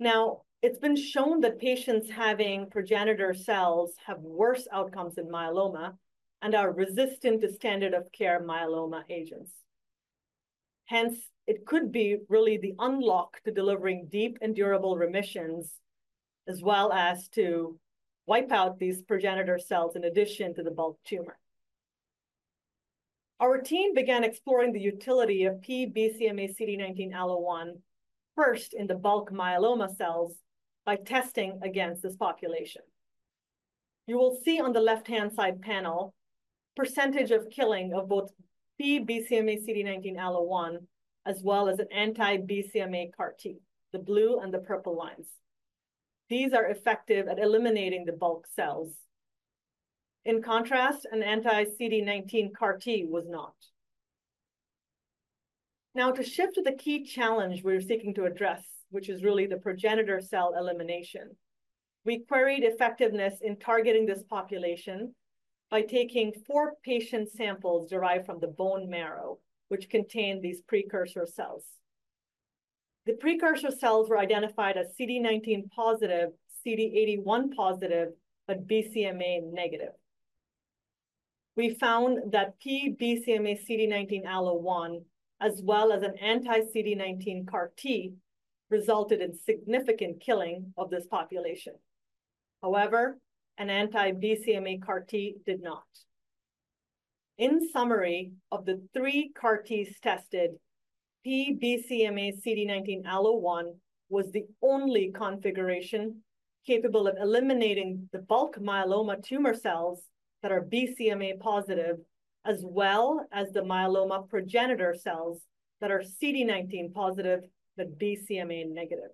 Now, it's been shown that patients having progenitor cells have worse outcomes in myeloma and are resistant to standard-of-care myeloma agents. Hence, it could be really the unlock to delivering deep and durable remissions as well as to wipe out these progenitor cells in addition to the bulk tumor. Our team began exploring the utility of P-BCMA-CD19-ALLO1 first in the bulk myeloma cells by testing against this population. You will see on the left-hand side panel the percentage of killing of both P-BCMA-CD19-ALLO1 as well as an anti-BCMA CAR-T, the blue and the purple lines. These are effective at eliminating the bulk cells. In contrast, an anti-CD19 CAR-T was not. Now, to shift to the key challenge we're seeking to address, which is really the progenitor cell elimination, we queried effectiveness in targeting this population by taking four patient samples derived from the bone marrow, which contained these precursor cells. The precursor cells were identified as CD19 positive, CD81 positive, but BCMA negative. We found that P-BCMA-CD19-ALLO1, as well as an anti-CD19 CAR-T, resulted in significant killing of this population. However, an anti-BCMA CAR-T did not. In summary, of the three CAR-Ts tested, P-BCMA-CD19-ALLO1 was the only configuration capable of eliminating the bulk myeloma tumor cells that are BCMA positive, as well as the myeloma progenitor cells that are CD19 positive, but BCMA negative.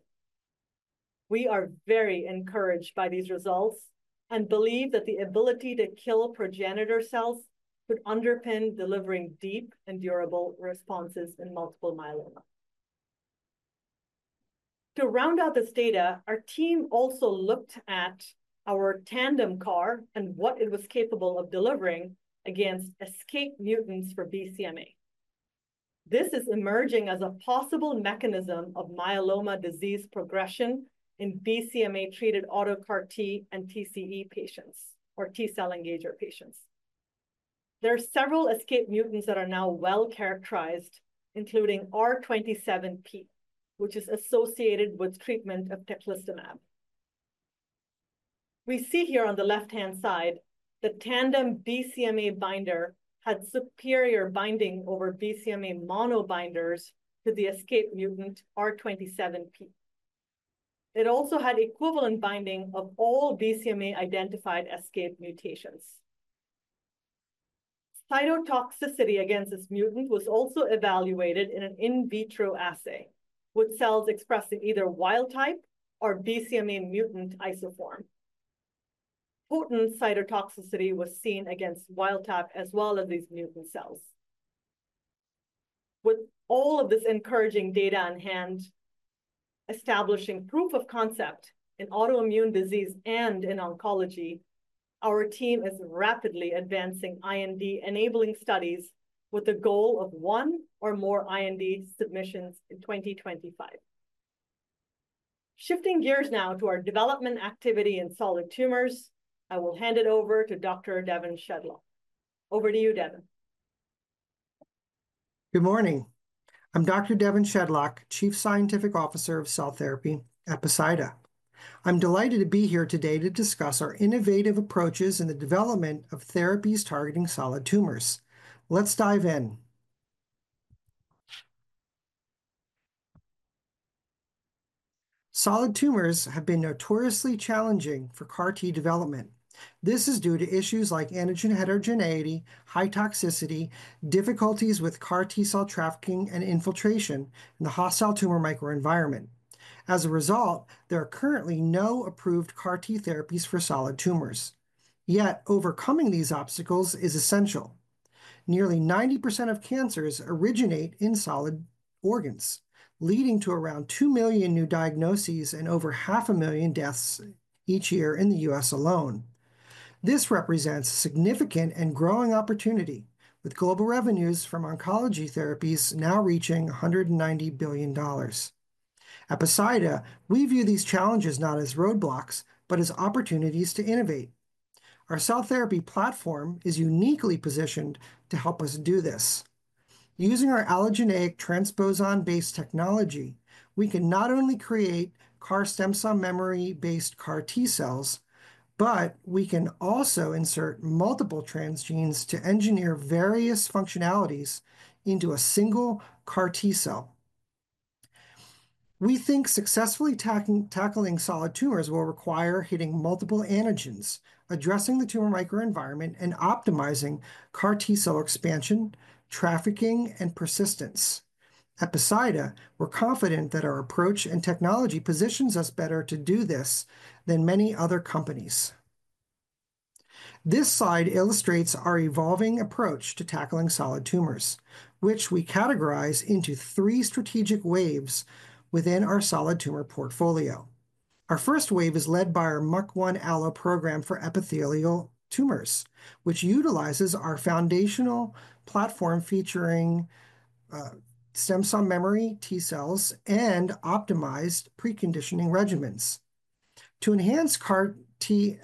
We are very encouraged by these results and believe that the ability to kill progenitor cells could underpin delivering deep and durable responses in multiple myeloma. To round out this data, our team also looked at our tandem CAR and what it was capable of delivering against escape mutants for BCMA. This is emerging as a possible mechanism of myeloma disease progression in BCMA-treated auto CAR-T and TCE patients, or T cell engager patients. There are several escape mutants that are now well characterized, including R27P, which is associated with treatment of teclistamab. We see here on the left-hand side that tandem BCMA binder had superior binding over BCMA monobinders to the escape mutant R27P. It also had equivalent binding of all BCMA-identified escape mutations. Cytotoxicity against this mutant was also evaluated in an in vitro assay with cells expressed in either wild type or BCMA mutant isoform. Potent cytotoxicity was seen against wild type as well as these mutant cells. With all of this encouraging data on hand, establishing proof of concept in autoimmune disease and in oncology, our team is rapidly advancing IND-enabling studies with the goal of one or more IND submissions in 2025. Shifting gears now to our development activity in solid tumors, I will hand it over to Dr. Devon Shedlock. Over to you, Devon. Good morning. I'm Dr. Devon Shedlock, Chief Scientific Officer, Cell Therapy at Poseida. I'm delighted to be here today to discuss our innovative approaches in the development of therapies targeting solid tumors. Let's dive in. Solid tumors have been notoriously challenging for CAR-T development. This is due to issues like antigen heterogeneity, high toxicity, difficulties with CAR-T cell trafficking and infiltration, and the hostile tumor microenvironment. As a result, there are currently no approved CAR-T therapies for solid tumors. Yet, overcoming these obstacles is essential. Nearly 90% of cancers originate in solid organs, leading to around 2 million new diagnoses and over half a million deaths each year in the U.S. alone. This represents significant and growing opportunity, with global revenues from oncology therapies now reaching $190 billion. At Poseida, we view these challenges not as roadblocks, but as opportunities to innovate. Our cell therapy platform is uniquely positioned to help us do this. Using our allogeneic transposon-based technology, we can not only create CAR stem cell memory-based CAR-T cells, but we can also insert multiple transgenes to engineer various functionalities into a single CAR-T cell. We think successfully tackling solid tumors will require hitting multiple antigens, addressing the tumor microenvironment, and optimizing CAR-T cell expansion, trafficking, and persistence. At Poseida, we're confident that our approach and technology positions us better to do this than many other companies. This slide illustrates our evolving approach to tackling solid tumors, which we categorize into three strategic waves within our solid tumor portfolio. Our first wave is led by our MUC1-C Allo program for epithelial tumors, which utilizes our foundational platform featuring stem cell memory T cells and optimized preconditioning regimens. To enhance CAR-T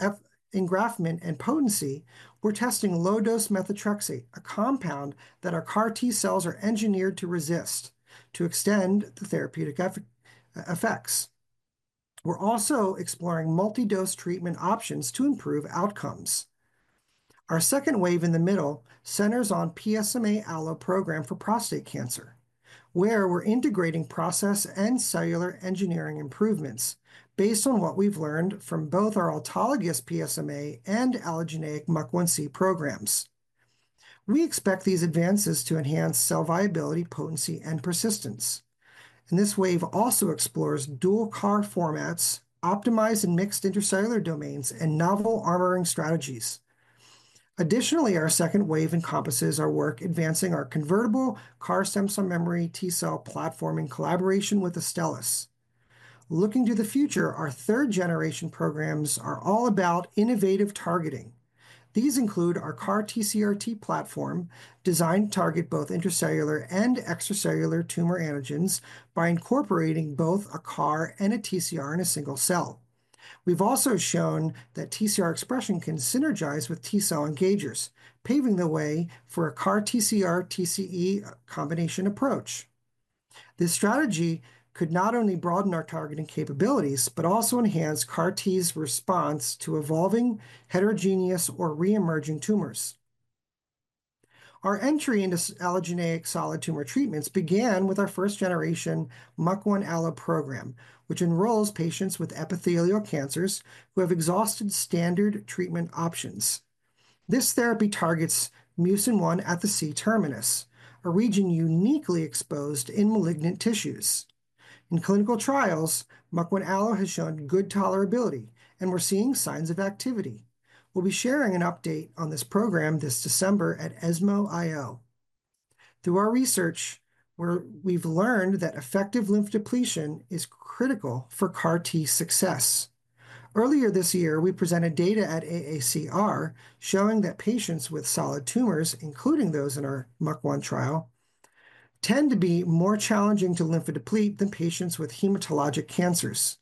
engraftment and potency, we're testing low-dose methotrexate, a compound that our CAR-T cells are engineered to resist to extend the therapeutic effects. We're also exploring multi-dose treatment options to improve outcomes. Our second wave in the middle centers on PSMA Allo program for prostate cancer, where we're integrating process and cellular engineering improvements based on what we've learned from both our autologous PSMA and allogeneic MUC1-C programs. We expect these advances to enhance cell viability, potency, and persistence, and this wave also explores dual CAR formats, optimized and mixed intracellular domains, and novel armoring strategies. Additionally, our second wave encompasses our work advancing our ConvertibleCAR stem cell memory T cell platform in collaboration with Astellas. Looking to the future, our third-generation programs are all about innovative targeting. These include our CAR-TCR platform designed to target both intracellular and extracellular tumor antigens by incorporating both a CAR and a TCR in a single cell. We've also shown that TCR expression can synergize with T-cell engagers, paving the way for a CAR-TCR-TCE combination approach. This strategy could not only broaden our targeting capabilities, but also enhance CAR-T's response to evolving heterogeneous or reemerging tumors. Our entry into allogeneic solid tumor treatments began with our first-generation MUC1 allo program, which enrolls patients with epithelial cancers who have exhausted standard treatment options. This therapy targets Mucin 1 at the C-terminus, a region uniquely exposed in malignant tissues. In clinical trials, MUC1 Allo has shown good tolerability, and we're seeing signs of activity. We'll be sharing an update on this program this December at ESMO IO. Through our research, we've learned that effective lymph depletion is critical for CAR-T success. Earlier this year, we presented data at AACR showing that patients with solid tumors, including those in our MUC1 trial, tend to be more challenging to lymphodeplete than patients with hematologic cancers.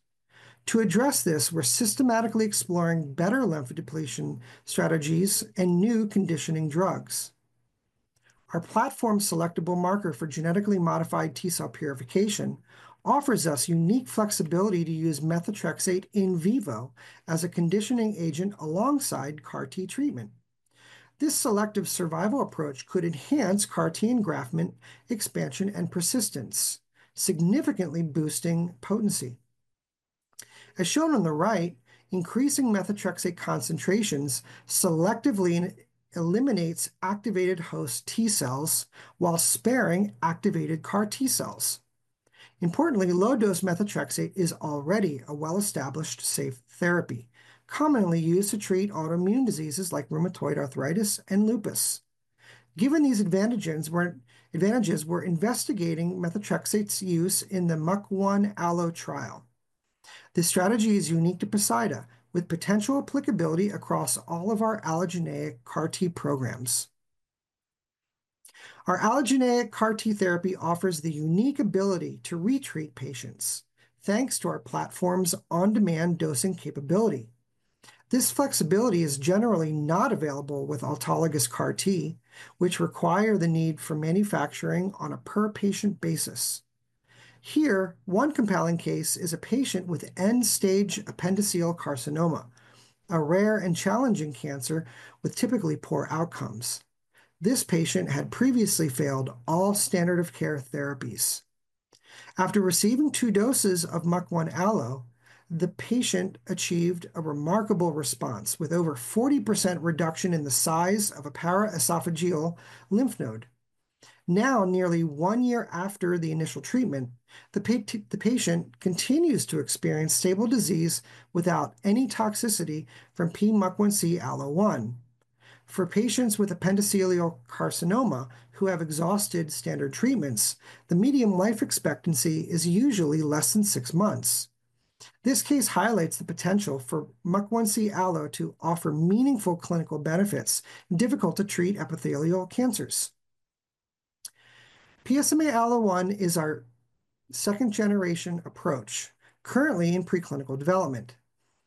To address this, we're systematically exploring better lymphodepletion strategies and new conditioning drugs. Our platform selectable marker for genetically modified T cell purification offers us unique flexibility to use methotrexate in vivo as a conditioning agent alongside CAR-T treatment. This selective survival approach could enhance CAR-T engraftment, expansion, and persistence, significantly boosting potency. As shown on the right, increasing methotrexate concentrations selectively eliminates activated host T cells while sparing activated CAR-T cells. Importantly, low-dose methotrexate is already a well-established safe therapy, commonly used to treat autoimmune diseases like rheumatoid arthritis and lupus. Given these advantages, we're investigating methotrexate's use in the MUC1 Allo trial. This strategy is unique to Poseida, with potential applicability across all of our allogeneic CAR-T programs. Our allogeneic CAR-T therapy offers the unique ability to retreat patients, thanks to our platform's on-demand dosing capability. This flexibility is generally not available with autologous CAR-T, which require the need for manufacturing on a per-patient basis. Here, one compelling case is a patient with end-stage appendiceal carcinoma, a rare and challenging cancer with typically poor outcomes. This patient had previously failed all standard-of-care therapies. After receiving two doses of MUC1 Allo, the patient achieved a remarkable response with over 40% reduction in the size of a paraesophageal lymph node. Now, nearly one year after the initial treatment, the patient continues to experience stable disease without any toxicity from P-MUC1C-ALLO1. For patients with appendiceal carcinoma who have exhausted standard treatments, the median life expectancy is usually less than six months. This case highlights the potential for P-MUC1C-ALLO1 to offer meaningful clinical benefits in difficult-to-treat epithelial cancers. P-PSMA-ALLO1 is our second-generation approach, currently in preclinical development.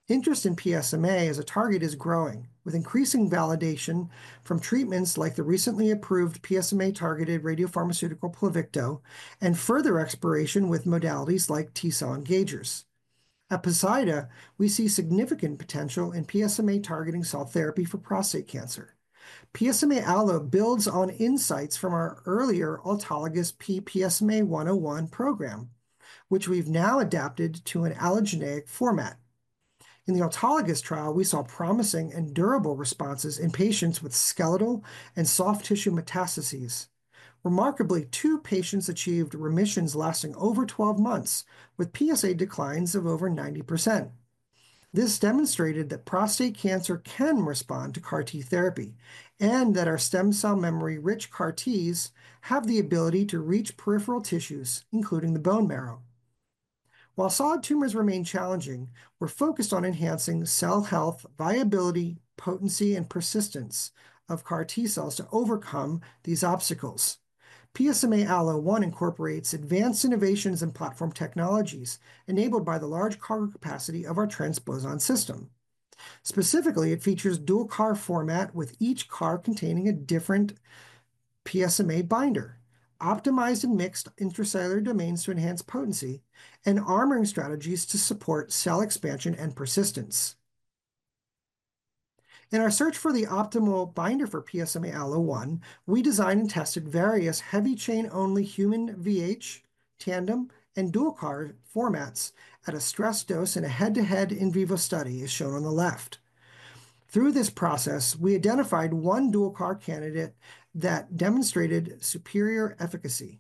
Interest in PSMA as a target is growing, with increasing validation from treatments like the recently approved PSMA-targeted radiopharmaceutical Pluvicto and further exploration with modalities like T cell engagers. At Poseida, we see significant potential in PSMA-targeting cell therapy for prostate cancer. P-PSMA-ALLO1 builds on insights from our earlier autologous P-PSMA-101 program, which we've now adapted to an allogeneic format. In the autologous trial, we saw promising and durable responses in patients with skeletal and soft tissue metastases. Remarkably, two patients achieved remissions lasting over 12 months, with PSA declines of over 90%. This demonstrated that prostate cancer can respond to CAR-T therapy and that our stem cell memory-rich CAR-Ts have the ability to reach peripheral tissues, including the bone marrow. While solid tumors remain challenging, we're focused on enhancing cell health, viability, potency, and persistence of CAR-T cells to overcome these obstacles. P-PSMA-ALLO1 incorporates advanced innovations and platform technologies enabled by the large CAR capacity of our transposon system. Specifically, it features dual CAR format, with each CAR containing a different PSMA binder, optimized and mixed intracellular domains to enhance potency, and armoring strategies to support cell expansion and persistence. In our search for the optimal binder for P-PSMA-ALLO1, we designed and tested various heavy chain-only human VH, tandem, and dual CAR formats at a stress dose in a head-to-head in vivo study, as shown on the left. Through this process, we identified one dual CAR candidate that demonstrated superior efficacy.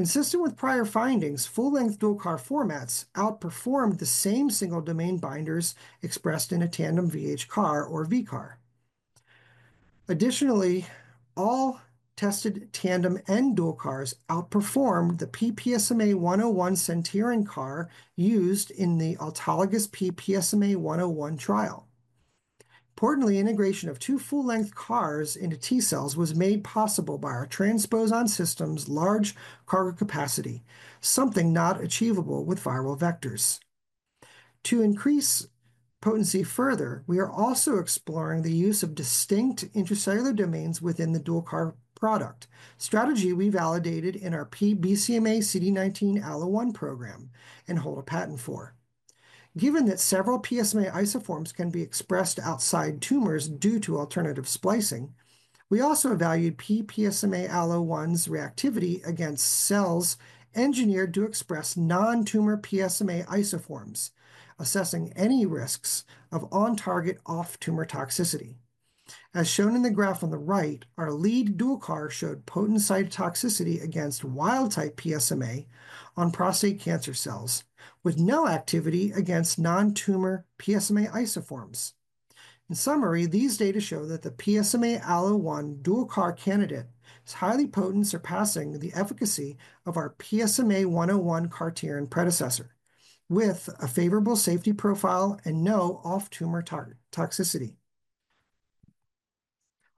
Consistent with prior findings, full-length dual CAR formats outperformed the same single-domain binders expressed in a tandem VH CAR or VHH CAR. Additionally, all tested tandem and dual CARs outperformed the P-PSMA-101 scFv CAR used in the autologous P-PSMA-101 trial. Importantly, integration of two full-length CARs into T cells was made possible by our transposon system's large CAR capacity, something not achievable with viral vectors. To increase potency further, we are also exploring the use of distinct intracellular domains within the dual CAR product, strategy we validated in our P-BCMA-CD19-ALLO1 program and hold a patent for. Given that several PSMA isoforms can be expressed outside tumors due to alternative splicing, we also evaluate P-PSMA-ALLO1's reactivity against cells engineered to express non-tumor PSMA isoforms, assessing any risks of on-target, off-tumor toxicity. As shown in the graph on the right, our lead dual CAR showed potent cytotoxicity against wild-type PSMA on prostate cancer cells, with no activity against non-tumor PSMA isoforms. In summary, these data show that the P-PSMA-ALLO1 dual CAR candidate is highly potent, surpassing the efficacy of our P-PSMA-101 CAR-T and predecessor, with a favorable safety profile and no off-tumor toxicity.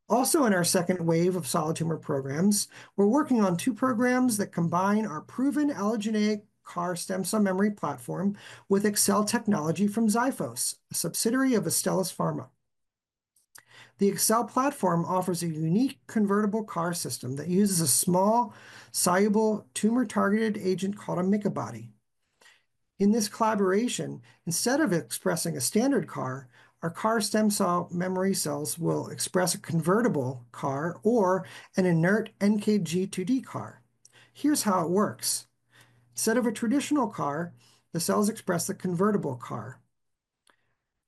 Also, in our second wave of solid tumor programs, we're working on two programs that combine our proven allogeneic CAR stem cell memory platform with ConvertibleCAR technology from Xyphos, a subsidiary of Astellas Pharma. The ConvertibleCAR platform offers a unique convertible CAR system that uses a small, soluble tumor-targeted agent called a MicAbody. In this collaboration, instead of expressing a standard CAR, our CAR stem cell memory cells will express a convertible CAR or an inert NKG2D CAR. Here's how it works. Instead of a traditional CAR, the cells express the convertible CAR,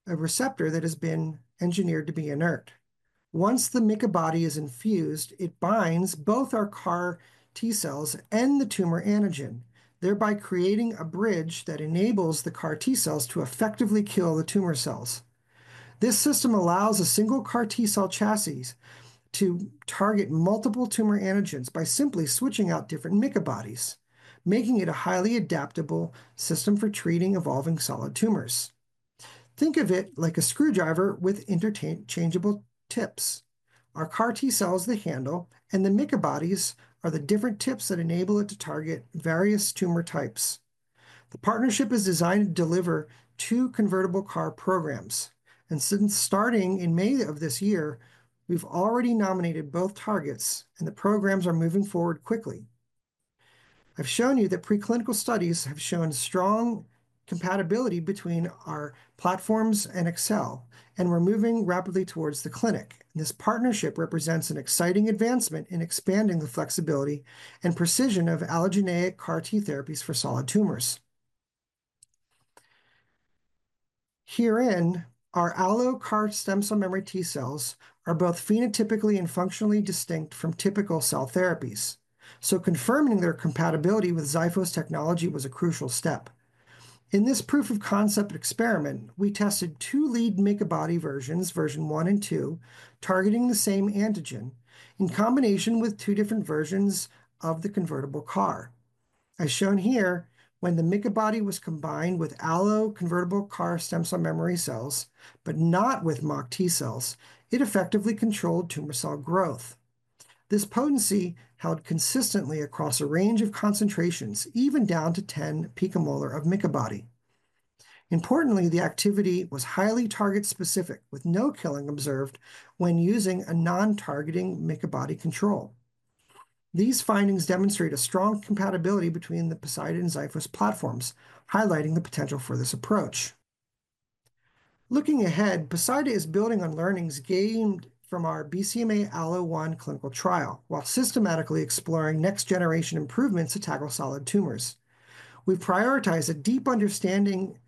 a receptor that has been engineered to be inert. Once the MicAbody is infused, it binds both our CAR-T cells and the tumor antigen, thereby creating a bridge that enables the CAR-T cells to effectively kill the tumor cells. This system allows a single CAR-T cell chassis to target multiple tumor antigens by simply switching out different MicAbodies, making it a highly adaptable system for treating evolving solid tumors. Think of it like a screwdriver with interchangeable tips. Our CAR-T cell is the handle, and the MicAbodies are the different tips that enable it to target various tumor types. The partnership is designed to deliver two ConvertibleCAR programs. And since starting in May of this year, we've already nominated both targets, and the programs are moving forward quickly. I've shown you that preclinical studies have shown strong compatibility between our platforms and Xyphos, and we're moving rapidly towards the clinic. This partnership represents an exciting advancement in expanding the flexibility and precision of allogeneic CAR-T therapies for solid tumors. Herein, our Allo CAR stem cell memory T cells are both phenotypically and functionally distinct from typical cell therapies. So confirming their compatibility with Xyphos technology was a crucial step. In this proof-of-concept experiment, we tested two lead MicAbody versions, version one and two, targeting the same antigen in combination with two different versions of the convertible CAR. As shown here, when the MicAbody was combined with Allo convertible CAR stem cell memory cells, but not with MOC T cells, it effectively controlled tumor cell growth. This potency held consistently across a range of concentrations, even down to 10 picomolar of MicAbody. Importantly, the activity was highly target-specific, with no killing observed when using a non-targeting MicAbody control. These findings demonstrate a strong compatibility between the Poseida and Xyphos platforms, highlighting the potential for this approach. Looking ahead, Poseida is building on learnings gained from our BCMA Allo 1 clinical trial while systematically exploring next-generation improvements to tackle solid tumors. We prioritize a deep understanding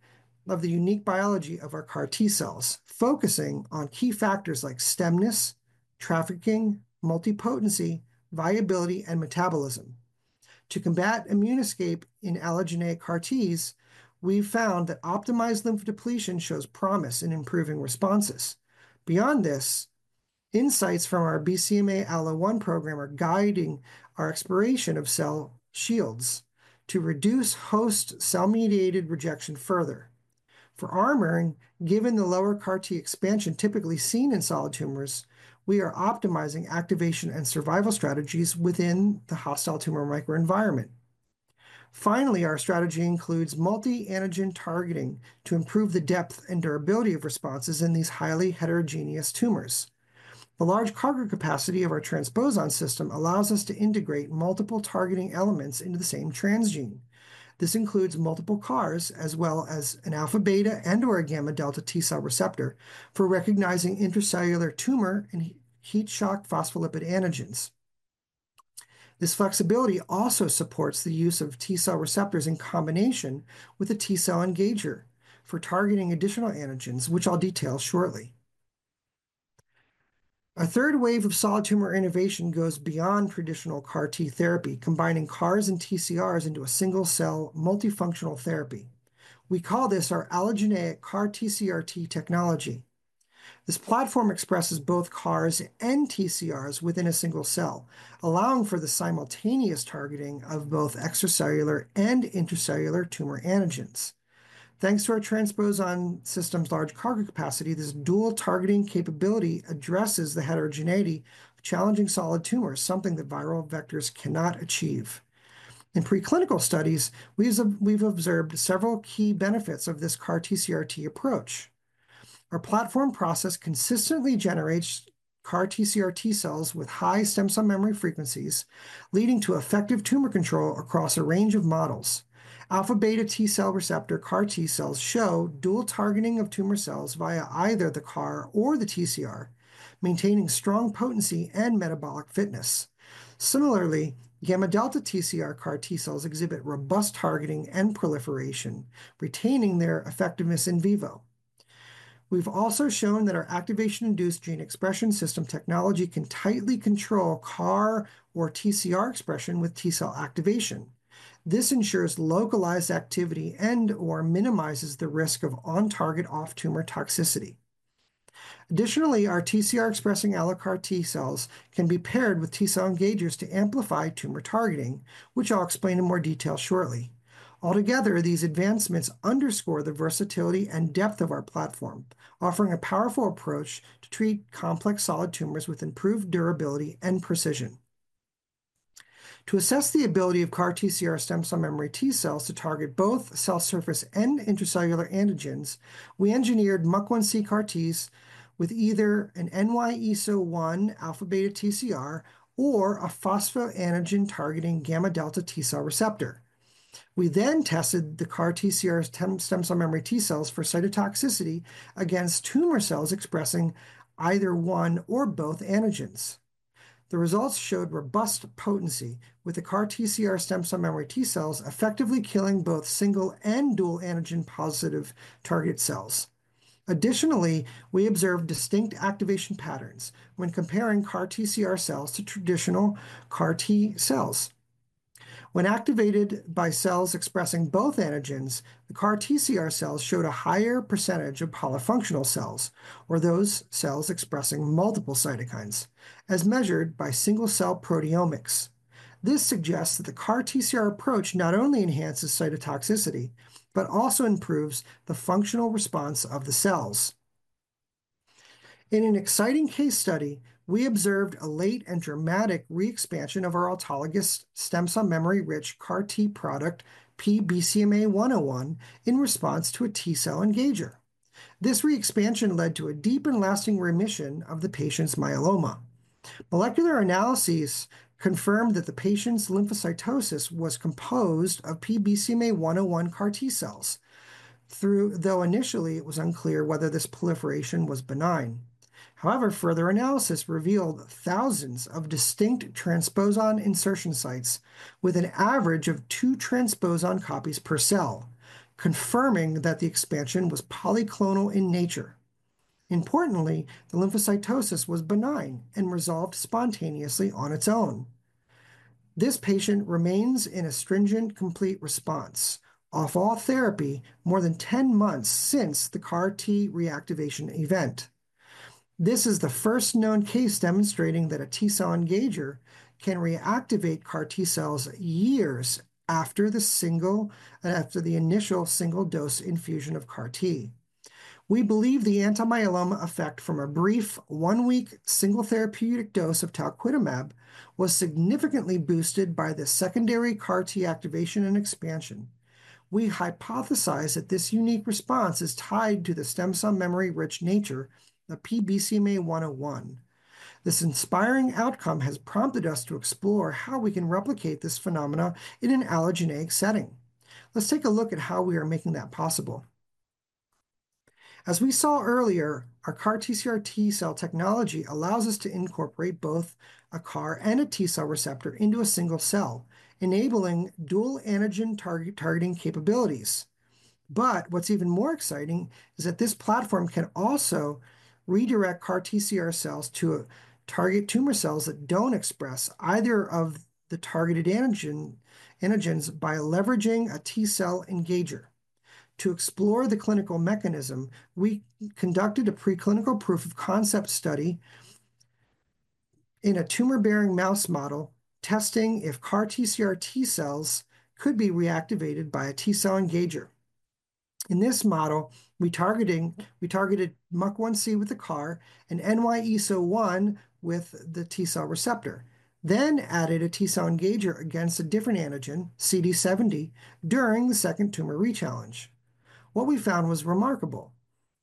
of the unique biology of our CAR-T cells, focusing on key factors like stemness, trafficking, multipotency, viability, and metabolism. To combat immune escape in allogeneic CAR-Ts, we've found that optimized lymph depletion shows promise in improving responses. Beyond this, insights from our BCMA Allo 1 program are guiding our exploration of cell shields to reduce host cell-mediated rejection further. For armoring, given the lower CAR-T expansion typically seen in solid tumors, we are optimizing activation and survival strategies within the hostile tumor microenvironment. Finally, our strategy includes multi-antigen targeting to improve the depth and durability of responses in these highly heterogeneous tumors. The large CAR capacity of our transposon system allows us to integrate multiple targeting elements into the same transgene. This includes multiple CARs, as well as an alpha beta and/or a gamma delta T cell receptor for recognizing intracellular tumor and heat-shock phospholipid antigens. This flexibility also supports the use of T cell receptors in combination with a T cell engager for targeting additional antigens, which I'll detail shortly. Our third wave of solid tumor innovation goes beyond traditional CAR-T therapy, combining CARs and TCRs into a single-cell multifunctional therapy. We call this our allogeneic CAR-TCR technology. This platform expresses both CARs and TCRs within a single cell, allowing for the simultaneous targeting of both extracellular and intracellular tumor antigens. Thanks to our transposon system's large CAR capacity, this dual-targeting capability addresses the heterogeneity of challenging solid tumors, something that viral vectors cannot achieve. In preclinical studies, we've observed several key benefits of this CAR-TCR approach. Our platform process consistently generates CAR-TCR T cells with high stem cell memory frequencies, leading to effective tumor control across a range of models. Alpha beta T cell receptor CAR-T cells show dual targeting of tumor cells via either the CAR or the TCR, maintaining strong potency and metabolic fitness. Similarly, gamma delta TCR CAR-T cells exhibit robust targeting and proliferation, retaining their effectiveness in vivo. We've also shown that our activation-induced gene expression system technology can tightly control CAR or TCR expression with T cell activation. This ensures localized activity and/or minimizes the risk of on-target, off-tumor toxicity. Additionally, our TCR-expressing alloCAR-T cells can be paired with T cell engagers to amplify tumor targeting, which I'll explain in more detail shortly. Altogether, these advancements underscore the versatility and depth of our platform, offering a powerful approach to treat complex solid tumors with improved durability and precision. To assess the ability of CAR-TCR stem cell memory T cells to target both cell surface and intracellular antigens, we engineered MUC1-C CAR-Ts with either an NY-ESO-1 alpha beta TCR or a phosphoantigen-targeting gamma delta T cell receptor. We then tested the CAR-TCR stem cell memory T cells for cytotoxicity against tumor cells expressing either one or both antigens. The results showed robust potency, with the CAR-TCR stem cell memory T cells effectively killing both single and dual-antigen-positive target cells. Additionally, we observed distinct activation patterns when comparing CAR-TCR cells to traditional CAR-T cells. When activated by cells expressing both antigens, the CAR-TCR cells showed a higher percentage of poly-functional cells, or those cells expressing multiple cytokines, as measured by single-cell proteomics. This suggests that the CAR-TCR approach not only enhances cytotoxicity but also improves the functional response of the cells. In an exciting case study, we observed a late and dramatic re-expansion of our autologous stem cell memory-rich CAR-T product P-BCMA-101 in response to a T cell engager. This re-expansion led to a deep and lasting remission of the patient's myeloma. Molecular analyses confirmed that the patient's lymphocytosis was composed of P-BCMA-101 CAR-T cells, though initially it was unclear whether this proliferation was benign. However, further analysis revealed thousands of distinct transposon insertion sites with an average of two transposon copies per cell, confirming that the expansion was polyclonal in nature. Importantly, the lymphocytosis was benign and resolved spontaneously on its own. This patient remains in a stringent complete response off all therapy more than 10 months since the CAR-T reactivation event. This is the first known case demonstrating that a T cell engager can reactivate CAR-T cells years after the initial single-dose infusion of CAR-T. We believe the anti-myeloma effect from a brief one-week single therapeutic dose of talquetamab was significantly boosted by the secondary CAR-T activation and expansion. We hypothesize that this unique response is tied to the stem cell memory-rich nature of P-BCMA-101. This inspiring outcome has prompted us to explore how we can replicate this phenomenon in an allogeneic setting. Let's take a look at how we are making that possible. As we saw earlier, our CAR-TCR cell technology allows us to incorporate both a CAR and a T cell receptor into a single cell, enabling dual-antigen-targeting capabilities. But what's even more exciting is that this platform can also redirect CAR-TCR cells to target tumor cells that don't express either of the targeted antigens by leveraging a T cell engager. To explore the clinical mechanism, we conducted a preclinical proof-of-concept study in a tumor-bearing mouse model testing if CAR-TCR cells could be reactivated by a T cell engager. In this model, we targeted MUC1-C with the CAR and NY-ESO-1 with the T cell receptor, then added a T cell engager against a different antigen, CD70, during the second tumor rechallenge. What we found was remarkable.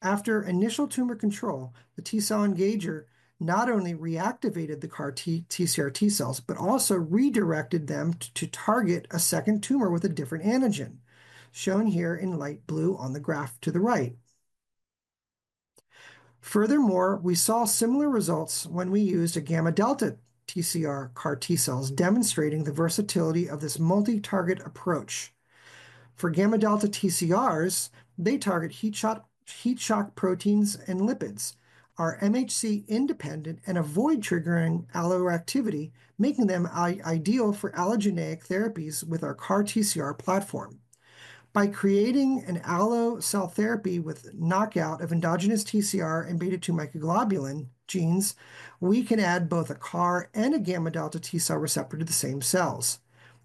After initial tumor control, the T cell engager not only reactivated the CAR-TCR cells but also redirected them to target a second tumor with a different antigen, shown here in light blue on the graph to the right. Furthermore, we saw similar results when we used a gamma delta TCR CAR-T cells demonstrating the versatility of this multi-target approach. For gamma delta TCRs, they target heat-shock proteins and lipids, are MHC-independent, and avoid triggering alloactivity, making them ideal for allogeneic therapies with our CAR-TCR platform. By creating an allo cell therapy with knockout of endogenous TCR and beta-2 microglobulin genes, we can add both a CAR and a gamma delta T cell receptor to the same cells.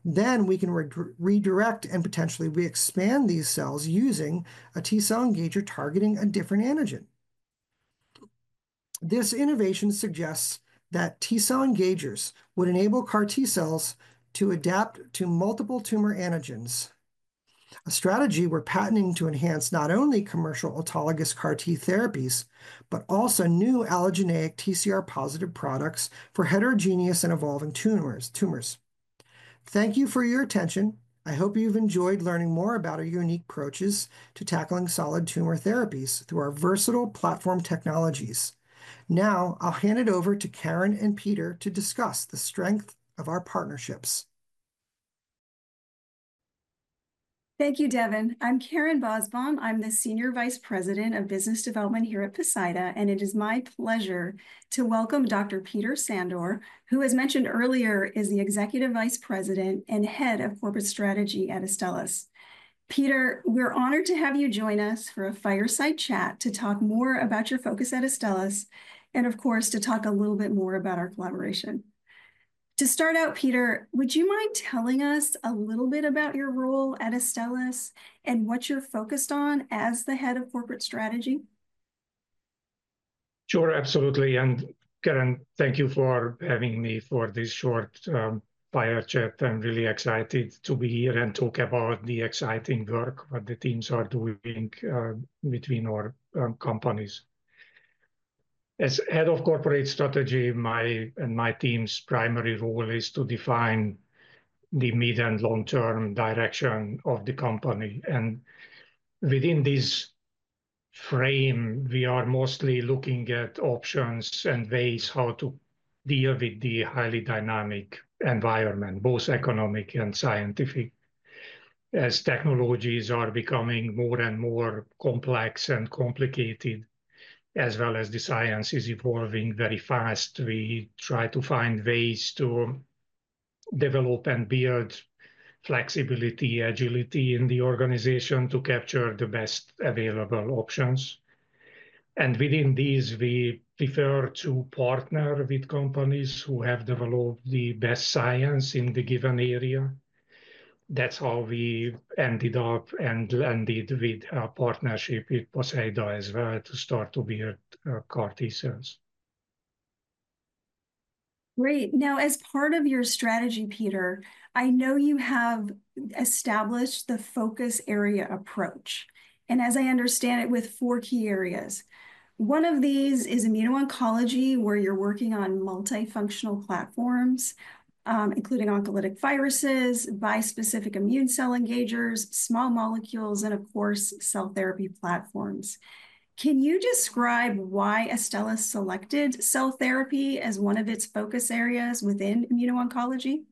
Then we can redirect and potentially re-expand these cells using a T cell engager targeting a different antigen. This innovation suggests that T cell engagers would enable CAR-T cells to adapt to multiple tumor antigens, a strategy we're patenting to enhance not only commercial autologous CAR-T therapies but also new allogeneic TCR-positive products for heterogeneous and evolving tumors. Thank you for your attention. I hope you've enjoyed learning more about our unique approaches to tackling solid tumor therapies through our versatile platform technologies. Now, I'll hand it over to Karen and Peter to discuss the strength of our partnerships. Thank you, Devon. I'm Karen Basbaum. I'm the Senior Vice President of Business Development here at Poseida, and it is my pleasure to welcome Dr. Peter Sandor, who, as mentioned earlier, is the Executive Vice President and Head of Corporate Strategy at Astellas. Peter, we're honored to have you join us for a fireside chat to talk more about your focus at Astellas and, of course, to talk a little bit more about our collaboration. To start out, Peter, would you mind telling us a little bit about your role at Astellas and what you're focused on as the Head of Corporate Strategy? Sure, absolutely. Karen, thank you for having me for this short, fireside chat. I'm really excited to be here and talk about the exciting work that the teams are doing, between our companies. As Head of Corporate Strategy, my and my team's primary role is to define the mid and long-term direction of the company. Within this frame, we are mostly looking at options and ways how to deal with the highly dynamic environment, both economic and scientific, as technologies are becoming more and more complex and complicated, as well as the science is evolving very fast. We try to find ways to develop and build flexibility, agility in the organization to capture the best available options. Within these, we prefer to partner with companies who have developed the best science in the given area. That's how we ended up and landed with our partnership with Poseida as well to start to build CAR-T cells. Great. Now, as part of your strategy, Peter, I know you have established the focus area approach, and as I understand it, with four key areas. One of these is immuno-oncology, where you're working on multifunctional platforms, including oncolytic viruses, bispecific immune cell engagers, small molecules, and, of course, cell therapy platforms. Can you describe why Astellas selected cell therapy as one of its focus areas within immuno-oncology?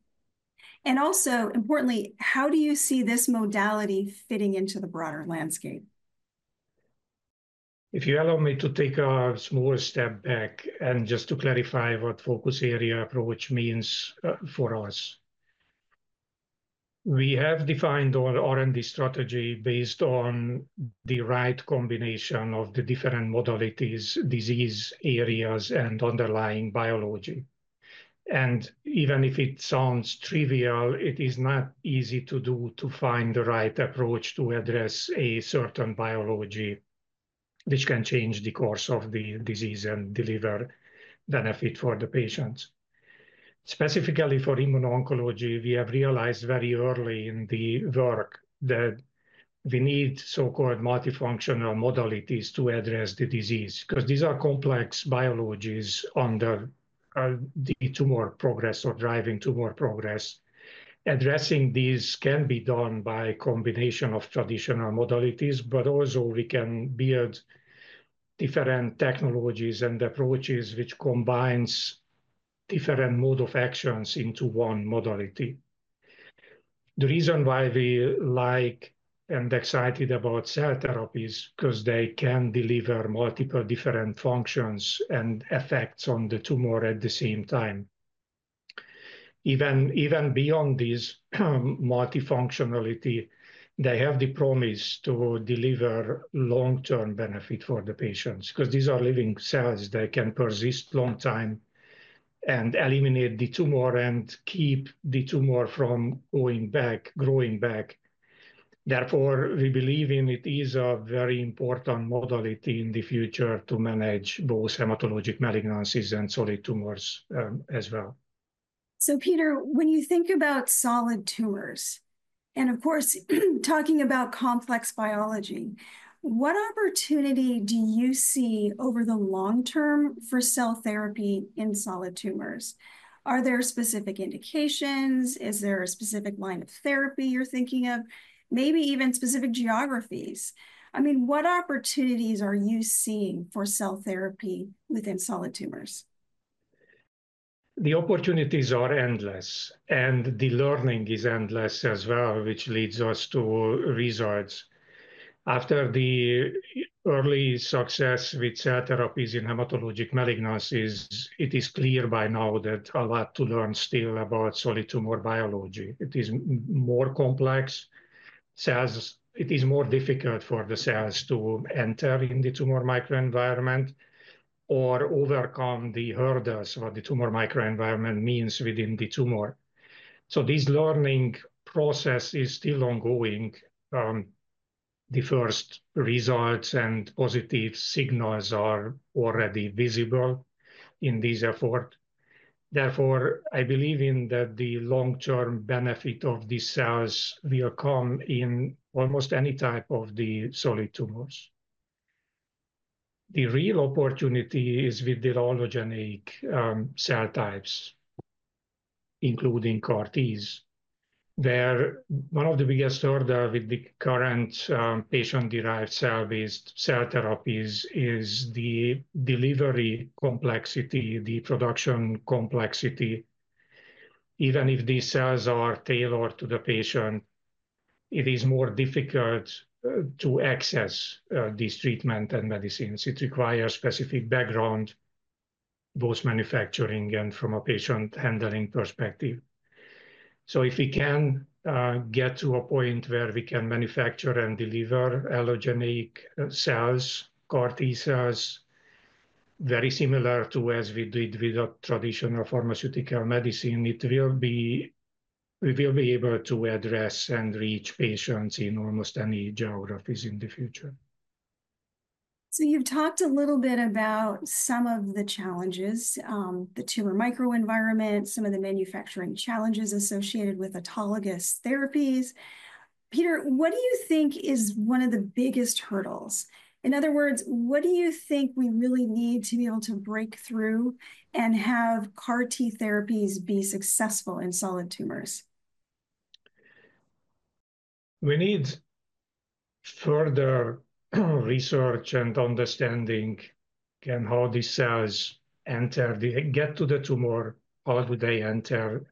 And also, importantly, how do you see this modality fitting into the broader landscape? If you allow me to take a smaller step back and just to clarify what focus area approach means for us, we have defined our R&D strategy based on the right combination of the different modalities, disease areas, and underlying biology. And even if it sounds trivial, it is not easy to do to find the right approach to address a certain biology, which can change the course of the disease and deliver benefit for the patients. Specifically for immuno-oncology, we have realized very early in the work that we need so-called multifunctional modalities to address the disease because these are complex biologies under the tumor progress or driving tumor progress. Addressing these can be done by a combination of traditional modalities, but also we can build different technologies and approaches which combine different modes of actions into one modality. The reason why we like and are excited about cell therapy is because they can deliver multiple different functions and effects on the tumor at the same time. Even beyond this multifunctionality, they have the promise to deliver long-term benefit for the patients because these are living cells that can persist a long time and eliminate the tumor and keep the tumor from going back, growing back. Therefore, we believe it is a very important modality in the future to manage both hematologic malignancies and solid tumors as well. So, Peter, when you think about solid tumors and, of course, talking about complex biology, what opportunity do you see over the long term for cell therapy in solid tumors? Are there specific indications? Is there a specific line of therapy you're thinking of? Maybe even specific geographies? I mean, what opportunities are you seeing for cell therapy within solid tumors? The opportunities are endless, and the learning is endless as well, which leads us to results. After the early success with cell therapies in hematologic malignancies, it is clear by now that a lot to learn still about solid tumor biology. It is more complex. It is more difficult for the cells to enter in the tumor microenvironment or overcome the hurdles of what the tumor microenvironment means within the tumor. So this learning process is still ongoing. The first results and positive signals are already visible in this effort. Therefore, I believe that the long-term benefit of these cells will come in almost any type of the solid tumors. The real opportunity is with the allogeneic cell types, including CAR-Ts, where one of the biggest hurdles with the current patient-derived cell-based cell therapies is the delivery complexity, the production complexity. Even if these cells are tailored to the patient, it is more difficult to access these treatments and medicines. It requires specific background, both manufacturing and from a patient-handling perspective. So if we can get to a point where we can manufacture and deliver allogeneic cells, CAR-T cells, very similar to as we did with traditional pharmaceutical medicine, we will be able to address and reach patients in almost any geographies in the future. So you've talked a little bit about some of the challenges, the tumor microenvironment, some of the manufacturing challenges associated with autologous therapies. Peter, what do you think is one of the biggest hurdles? In other words, what do you think we really need to be able to break through and have CAR-T therapies be successful in solid tumors? We need further research and understanding and how these cells enter, get to the tumor, how do they enter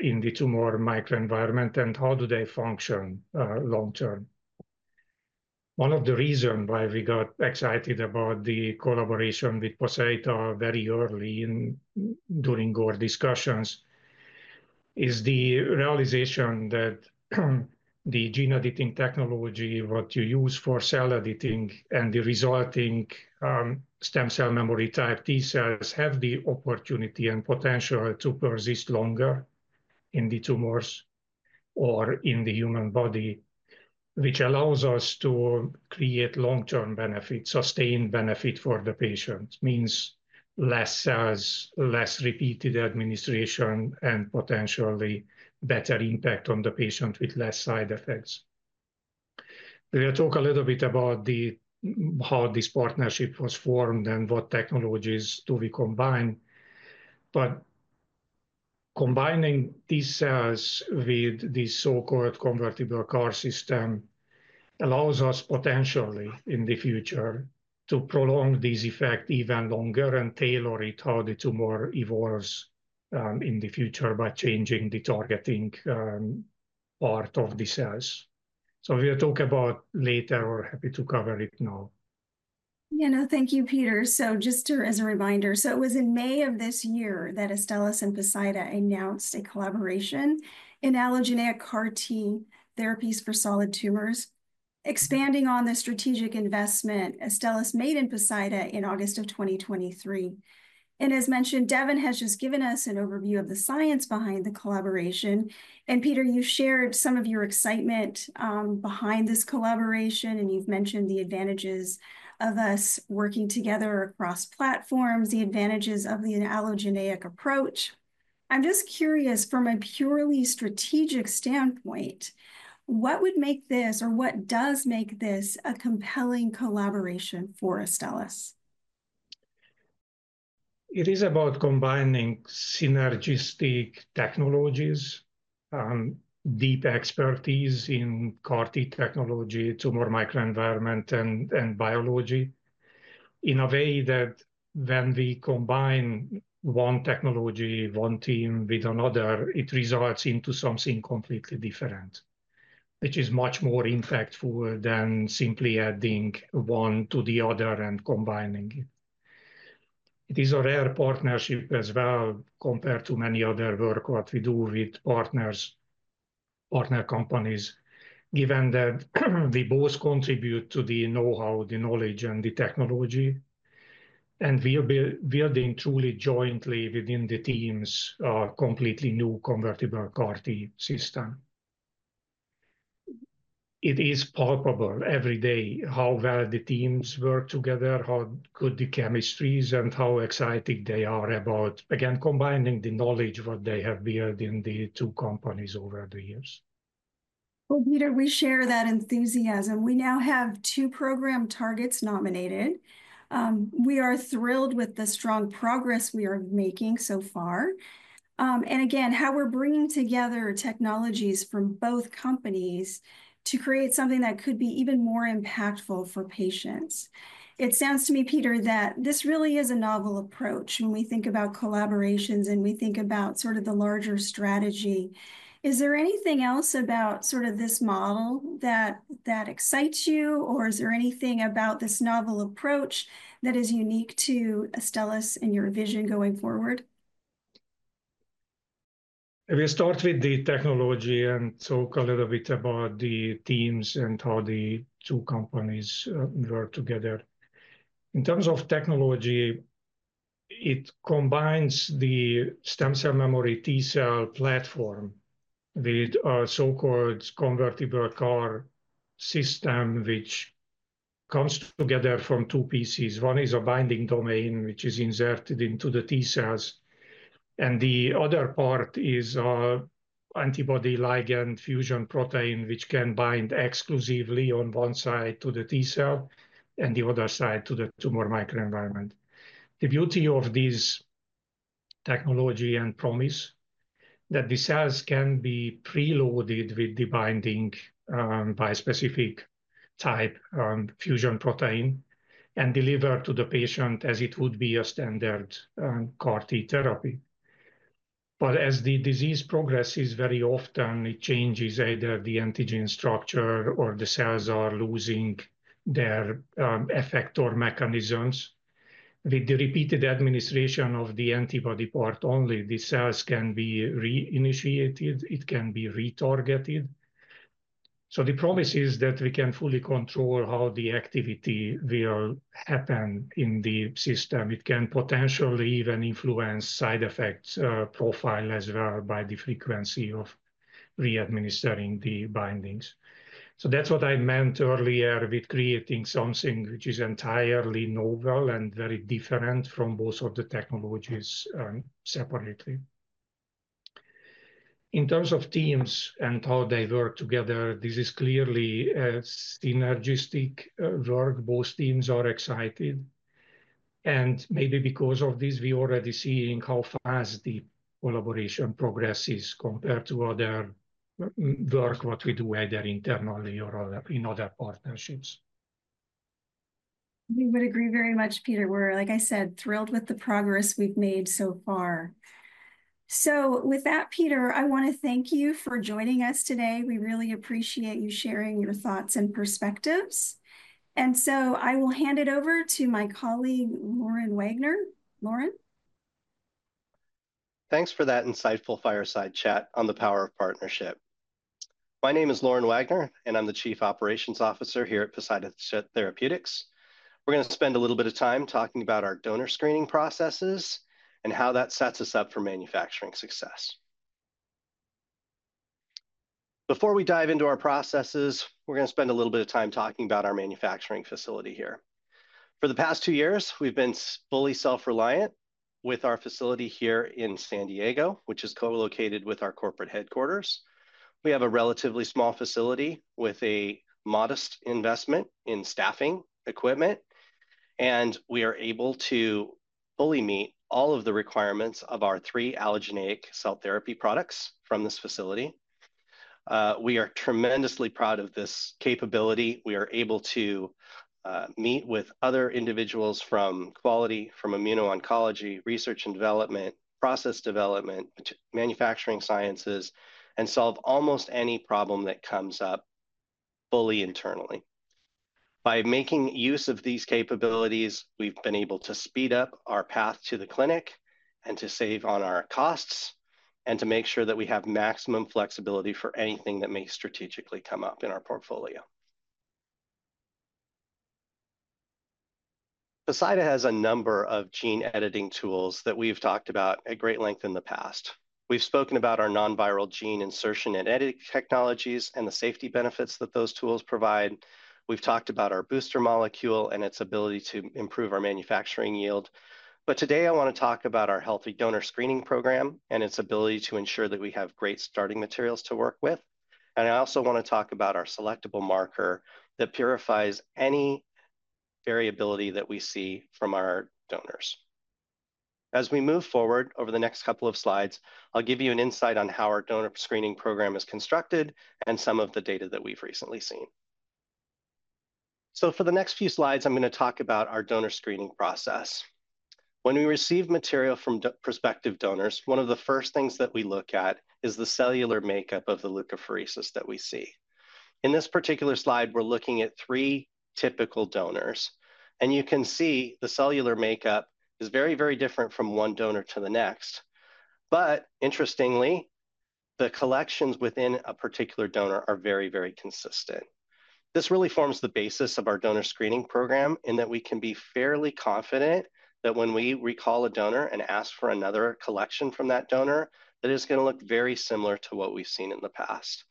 in the tumor microenvironment, and how do they function long-term. One of the reasons why we got excited about the collaboration with Poseida very early during our discussions is the realization that the gene editing technology, what you use for cell editing and the resulting stem cell memory-type T cells, have the opportunity and potential to persist longer in the tumors or in the human body, which allows us to create long-term benefit, sustained benefit for the patients, means less cells, less repeated administration, and potentially better impact on the patient with less side effects. We'll talk a little bit about how this partnership was formed and what technologies do we combine. But combining these cells with the so-called ConvertibleCAR system allows us potentially in the future to prolong this effect even longer and tailor it how the tumor evolves in the future by changing the targeting part of the cells. We'll talk about it later or happy to cover it now. Yeah, no, thank you, Peter. Just as a reminder, it was in May of this year that Astellas and Poseida announced a collaboration in allogeneic CAR-T therapies for solid tumors, expanding on the strategic investment Astellas made in Poseida in August of 2023. As mentioned, Devon has just given us an overview of the science behind the collaboration. Peter, you shared some of your excitement behind this collaboration, and you've mentioned the advantages of us working together across platforms, the advantages of the allogeneic approach. I'm just curious, from a purely strategic standpoint, what would make this or what does make this a compelling collaboration for Astellas? It is about combining synergistic technologies, deep expertise in CAR-T technology, tumor microenvironment, and biology in a way that when we combine one technology, one team with another, it results into something completely different, which is much more impactful than simply adding one to the other and combining it. It is a rare partnership as well compared to many other work what we do with partners, partner companies, given that we both contribute to the know-how, the knowledge, and the technology, and we are building truly jointly within the teams a completely new convertible CAR-T system. It is palpable every day how well the teams work together, how good the chemistry is, and how excited they are about, again, combining the knowledge what they have built in the two companies over the years. Well, Peter, we share that enthusiasm. We now have two program targets nominated. We are thrilled with the strong progress we are making so far, and again, how we're bringing together technologies from both companies to create something that could be even more impactful for patients. It sounds to me, Peter, that this really is a novel approach when we think about collaborations and we think about sort of the larger strategy. Is there anything else about sort of this model that that excites you, or is there anything about this novel approach that is unique to Astellas and your vision going forward? I will start with the technology and talk a little bit about the teams and how the two companies work together. In terms of technology, it combines the stem cell memory T cell platform with a so-called convertible CAR system, which comes together from two pieces. One is a binding domain, which is inserted into the T cells, and the other part is an antibody ligand fusion protein, which can bind exclusively on one side to the T cell and the other side to the tumor microenvironment. The beauty of this technology and promise is that the cells can be preloaded with the binding by a specific type fusion protein and delivered to the patient as it would be a standard CAR-T therapy. But as the disease progresses, very often it changes either the antigen structure or the cells are losing their effector mechanisms. With the repeated administration of the antibody part only, the cells can be reinitiated. It can be retargeted. So the promise is that we can fully control how the activity will happen in the system. It can potentially even influence side effects profile as well by the frequency of readministering the bindings. That's what I meant earlier with creating something which is entirely novel and very different from both of the technologies separately. In terms of teams and how they work together, this is clearly a synergistic work. Both teams are excited. And maybe because of this, we are already seeing how fast the collaboration progresses compared to other work what we do either internally or in other partnerships. We would agree very much, Peter. We're, like I said, thrilled with the progress we've made so far. With that, Peter, I want to thank you for joining us today. We really appreciate you sharing your thoughts and perspectives. And so I will hand it over to my colleague, Loren Wagner. Loren? Thanks for that insightful fireside chat on the power of partnership. My name is Loren Wagner, and I'm the Chief Operations Officer here at Poseida Therapeutics. We're going to spend a little bit of time talking about our donor screening processes and how that sets us up for manufacturing success. Before we dive into our processes, we're going to spend a little bit of time talking about our manufacturing facility here. For the past two years, we've been fully self-reliant with our facility here in San Diego, which is co-located with our corporate headquarters. We have a relatively small facility with a modest investment in staffing equipment, and we are able to fully meet all of the requirements of our three allogeneic cell therapy products from this facility. We are tremendously proud of this capability. We are able to meet with other individuals from quality, from immuno-oncology, research and development, process development, manufacturing sciences, and solve almost any problem that comes up fully internally. By making use of these capabilities, we've been able to speed up our path to the clinic and to save on our costs and to make sure that we have maximum flexibility for anything that may strategically come up in our portfolio. Poseida has a number of gene editing tools that we've talked about at great length in the past. We've spoken about our non-viral gene insertion and editing technologies and the safety benefits that those tools provide. We've talked about our booster molecule and its ability to improve our manufacturing yield, but today, I want to talk about our healthy donor screening program and its ability to ensure that we have great starting materials to work with, and I also want to talk about our selectable marker that purifies any variability that we see from our donors. As we move forward over the next couple of slides, I'll give you an insight on how our donor screening program is constructed and some of the data that we've recently seen, so for the next few slides, I'm going to talk about our donor screening process. When we receive material from prospective donors, one of the first things that we look at is the cellular makeup of the leukapheresis that we see. In this particular slide, we're looking at three typical donors, and you can see the cellular makeup is very, very different from one donor to the next, but interestingly, the collections within a particular donor are very, very consistent. This really forms the basis of our donor screening program in that we can be fairly confident that when we recall a donor and ask for another collection from that donor, that is going to look very similar to what we've seen in the past.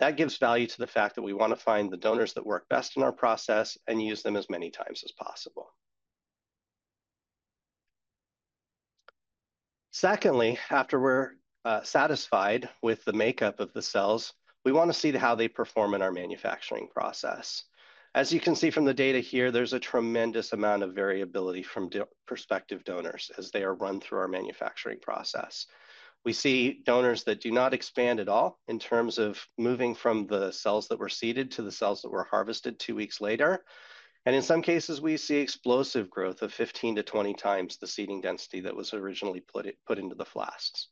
That gives value to the fact that we want to find the donors that work best in our process and use them as many times as possible. Secondly, after we're satisfied with the makeup of the cells, we want to see how they perform in our manufacturing process. As you can see from the data here, there's a tremendous amount of variability from prospective donors as they are run through our manufacturing process. We see donors that do not expand at all in terms of moving from the cells that were seeded to the cells that were harvested two weeks later. In some cases, we see explosive growth of 15-20 times the seeding density that was originally put into the flasks.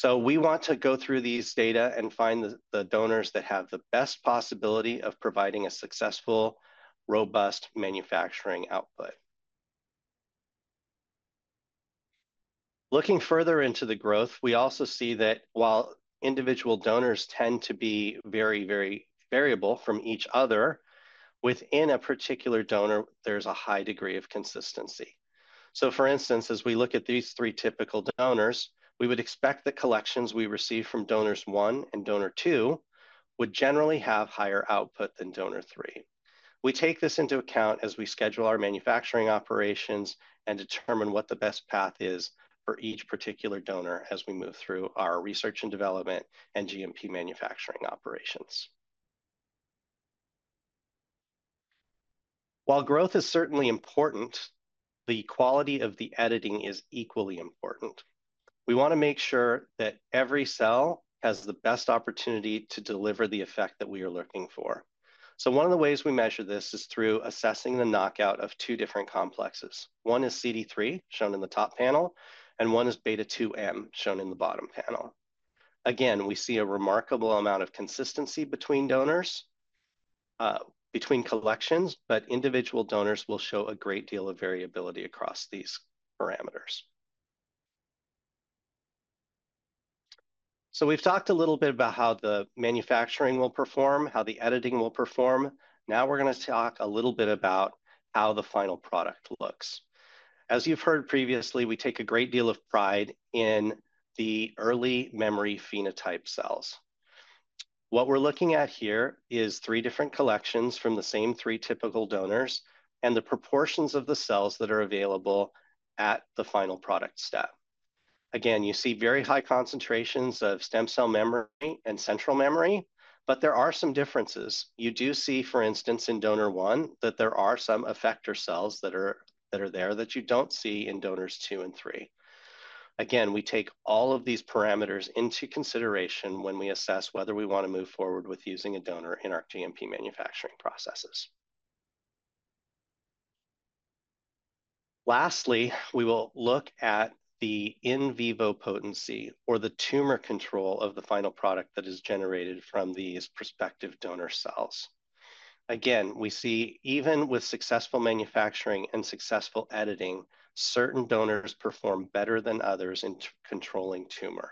So we want to go through these data and find the donors that have the best possibility of providing a successful, robust manufacturing output. Looking further into the growth, we also see that while individual donors tend to be very, very variable from each other, within a particular donor, there's a high degree of consistency. So for instance, as we look at these three typical donors, we would expect the collections we receive from donors one and donor two would generally have higher output than donor three. We take this into account as we schedule our manufacturing operations and determine what the best path is for each particular donor as we move through our research and development and GMP manufacturing operations. While growth is certainly important, the quality of the editing is equally important. We want to make sure that every cell has the best opportunity to deliver the effect that we are looking for. So one of the ways we measure this is through assessing the knockout of two different complexes. One is CD3, shown in the top panel, and one is beta2m, shown in the bottom panel. Again, we see a remarkable amount of consistency between donors, between collections, but individual donors will show a great deal of variability across these parameters. So we've talked a little bit about how the manufacturing will perform, how the editing will perform. Now we're going to talk a little bit about how the final product looks. As you've heard previously, we take a great deal of pride in the early memory phenotype cells. What we're looking at here is three different collections from the same three typical donors and the proportions of the cells that are available at the final product step. Again, you see very high concentrations of stem cell memory and central memory, but there are some differences. You do see, for instance, in donor one that there are some effector cells that are there that you don't see in donors two and three. Again, we take all of these parameters into consideration when we assess whether we want to move forward with using a donor in our GMP manufacturing processes. Lastly, we will look at the in vivo potency or the tumor control of the final product that is generated from these prospective donor cells. Again, we see even with successful manufacturing and successful editing, certain donors perform better than others in controlling tumor.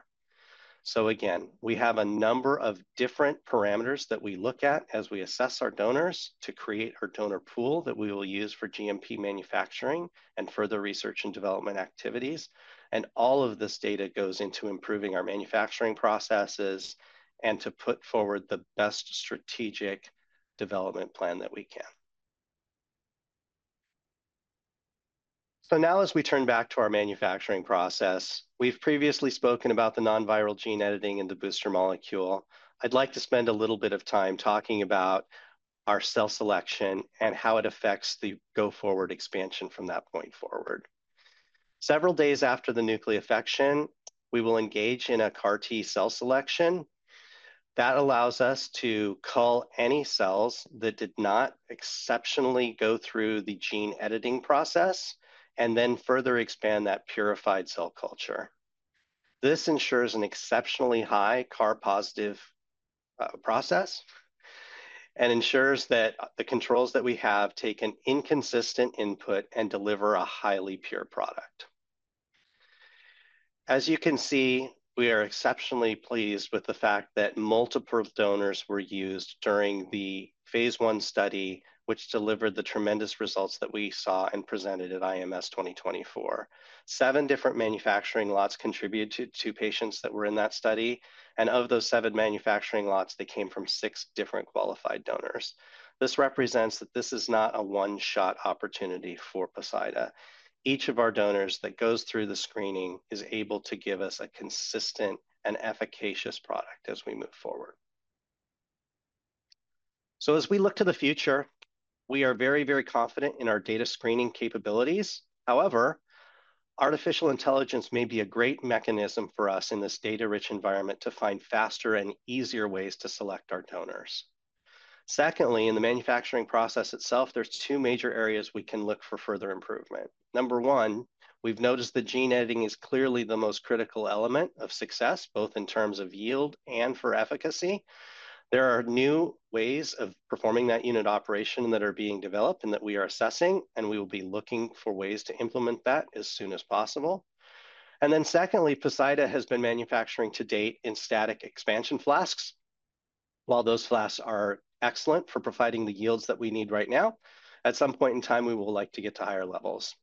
Again, we have a number of different parameters that we look at as we assess our donors to create our donor pool that we will use for GMP manufacturing and further research and development activities. All of this data goes into improving our manufacturing processes and to put forward the best strategic development plan that we can. Now, as we turn back to our manufacturing process, we have previously spoken about the non-viral gene editing and the booster molecule. I would like to spend a little bit of time talking about our cell selection and how it affects the go-forward expansion from that point forward. Several days after the nucleofection, we will engage in a CAR-T cell selection that allows us to cull any cells that did not successfully go through the gene editing process and then further expand that purified cell culture. This ensures an exceptionally high CAR-positive process and ensures that the controls that we have take an inconsistent input and deliver a highly pure product. As you can see, we are exceptionally pleased with the fact that multiple donors were used during the phase one study, which delivered the tremendous results that we saw and presented at IMS 2024. Seven different manufacturing lots contributed to patients that were in that study, and of those seven manufacturing lots, they came from six different qualified donors. This represents that this is not a one-shot opportunity for Poseida. Each of our donors that goes through the screening is able to give us a consistent and efficacious product as we move forward, so as we look to the future, we are very, very confident in our donor screening capabilities. However, artificial intelligence may be a great mechanism for us in this data-rich environment to find faster and easier ways to select our donors. Secondly, in the manufacturing process itself, there are two major areas we can look for further improvement. Number one, we've noticed that gene editing is clearly the most critical element of success, both in terms of yield and for efficacy. There are new ways of performing that unit operation that are being developed and that we are assessing, and we will be looking for ways to implement that as soon as possible, and then secondly, Poseida has been manufacturing to date in static expansion flasks. While those flasks are excellent for providing the yields that we need right now, at some point in time, we will like to get to higher levels.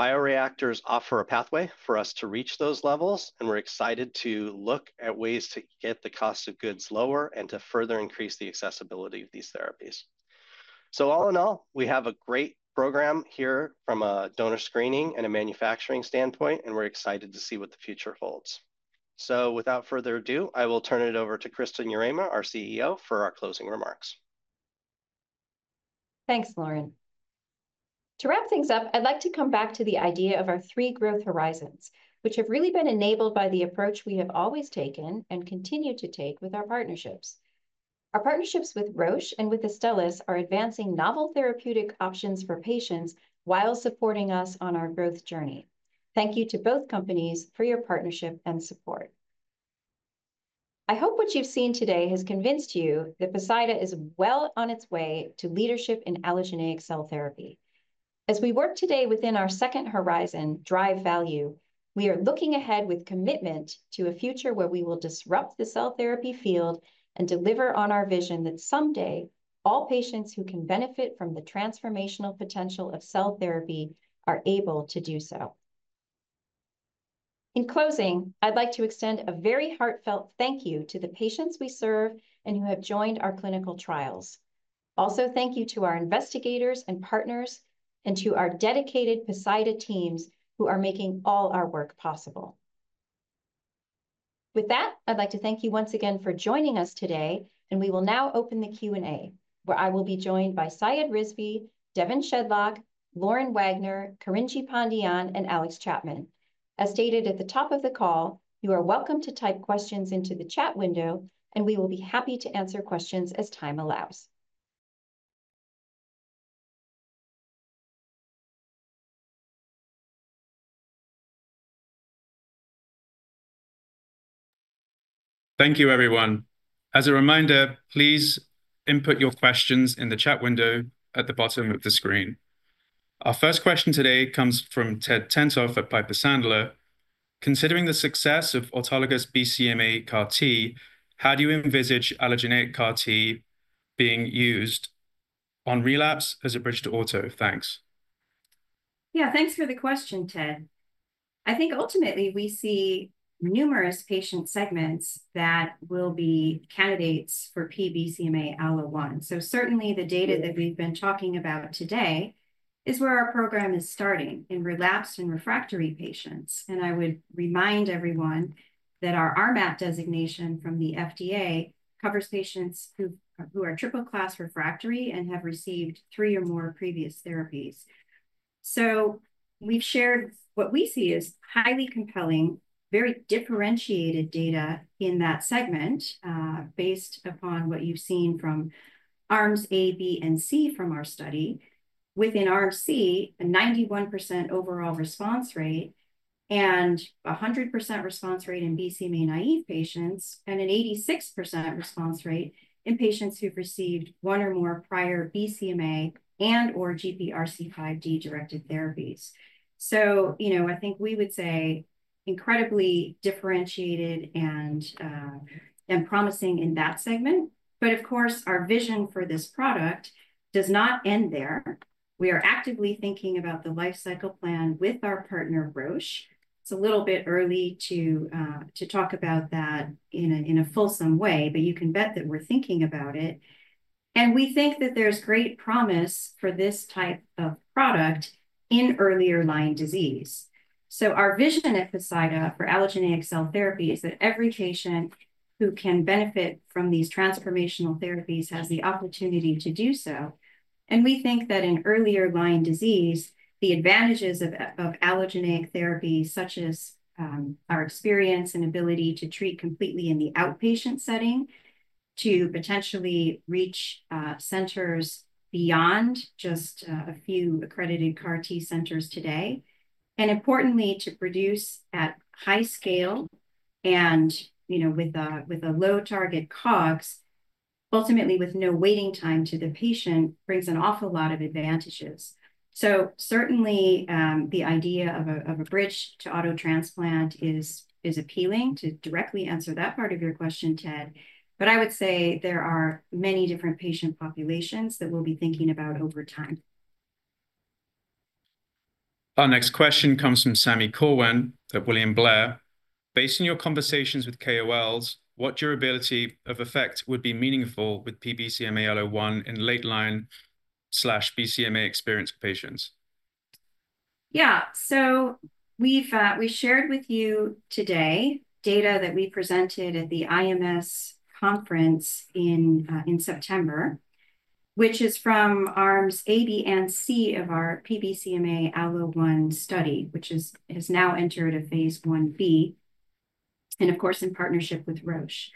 Bioreactors offer a pathway for us to reach those levels, and we're excited to look at ways to get the cost of goods lower and to further increase the accessibility of these therapies. So all in all, we have a great program here from a donor screening and a manufacturing standpoint, and we're excited to see what the future holds, so without further ado, I will turn it over to Kristin Yarema, our CEO, for our closing remarks. Thanks, Lauren. To wrap things up, I'd like to come back to the idea of our three growth horizons, which have really been enabled by the approach we have always taken and continue to take with our partnerships. Our partnerships with Roche and with Astellas are advancing novel therapeutic options for patients while supporting us on our growth journey. Thank you to both companies for your partnership and support. I hope what you've seen today has convinced you that Poseida is well on its way to leadership in allogeneic cell therapy. As we work today within our second horizon, drive value, we are looking ahead with commitment to a future where we will disrupt the cell therapy field and deliver on our vision that someday all patients who can benefit from the transformational potential of cell therapy are able to do so. In closing, I'd like to extend a very heartfelt thank you to the patients we serve and who have joined our clinical trials. Also, thank you to our investigators and partners and to our dedicated Poseida teams who are making all our work possible. With that, I'd like to thank you once again for joining us today, and we will now open the Q&A, where I will be joined by Syed Rizvi, Devon Shedlock, Loren Wagner, Kurinji Pandiyan, and Alex Chapman. As stated at the top of the call, you are welcome to type questions into the chat window, and we will be happy to answer questions as time allows. Thank you, everyone. As a reminder, please input your questions in the chat window at the bottom of the screen. Our first question today comes from Ted Tenthoff for Piper Sandler. Considering the success of autologous BCMA CAR-T, how do you envisage allogeneic CAR-T being used on relapse as a bridge to auto? Thanks. Yeah, thanks for the question, Ted. I think ultimately we see numerous patient segments that will be candidates for P-BCMA-ALLO1. Certainly the data that we've been talking about today is where our program is starting in relapsed and refractory patients. And I would remind everyone that our RMAT designation from the FDA covers patients who are triple-class refractory and have received three or more previous therapies. We've shared what we see as highly compelling, very differentiated data in that segment based upon what you've seen from arms A, B, and C from our study within RC, a 91% overall response rate, and 100% response rate in BCMA naive patients, and an 86% response rate in patients who've received one or more prior BCMA and/or GPRC5D-directed therapies. You know, I think we would say incredibly differentiated and promising in that segment. But of course, our vision for this product does not end there. We are actively thinking about the lifecycle plan with our partner, Roche. It's a little bit early to talk about that in a fulsome way, but you can bet that we're thinking about it. And we think that there's great promise for this type of product in earlier line disease. So our vision at Poseida for allogeneic cell therapy is that every patient who can benefit from these transformational therapies has the opportunity to do so. And we think that in earlier line disease, the advantages of allogeneic therapy, such as our experience and ability to treat completely in the outpatient setting, to potentially reach centers beyond just a few accredited CAR-T centers today, and importantly, to produce at high scale and, you know, with a low target COGS, ultimately with no waiting time to the patient, brings an awful lot of advantages. Certainly the idea of a bridge to auto transplant is appealing to directly answer that part of your question, Ted. But I would say there are many different patient populations that we'll be thinking about over time. Our next question comes from Sami Corwin at William Blair. Based on your conversations with KOLs, what durability of effect would be meaningful with P-BCMA-ALLO1 in late line/BCMA experience patients? Yeah, so we've shared with you today data that we presented at the IMW conference in September, which is from arms A, B, and C of our P-BCMA-ALLO1 study, which has now entered a phase 1b, and of course, in partnership with Roche.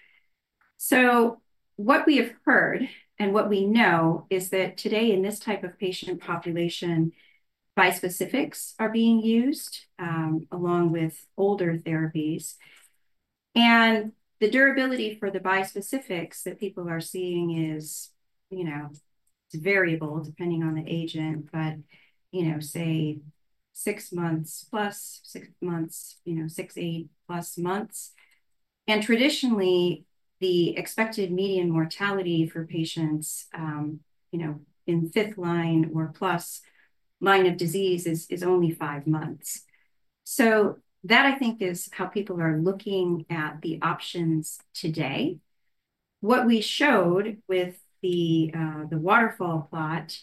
So what we have heard and what we know is that today in this type of patient population, bispecifics are being used along with older therapies. The durability for the bispecifics that people are seeing is, you know, variable depending on the agent, but, you know, say six months plus, six months, you know, six, eight plus months. Traditionally, the expected median mortality for patients, you know, in fifth line or plus line of disease is only five months. So that, I think, is how people are looking at the options today. What we showed with the waterfall plot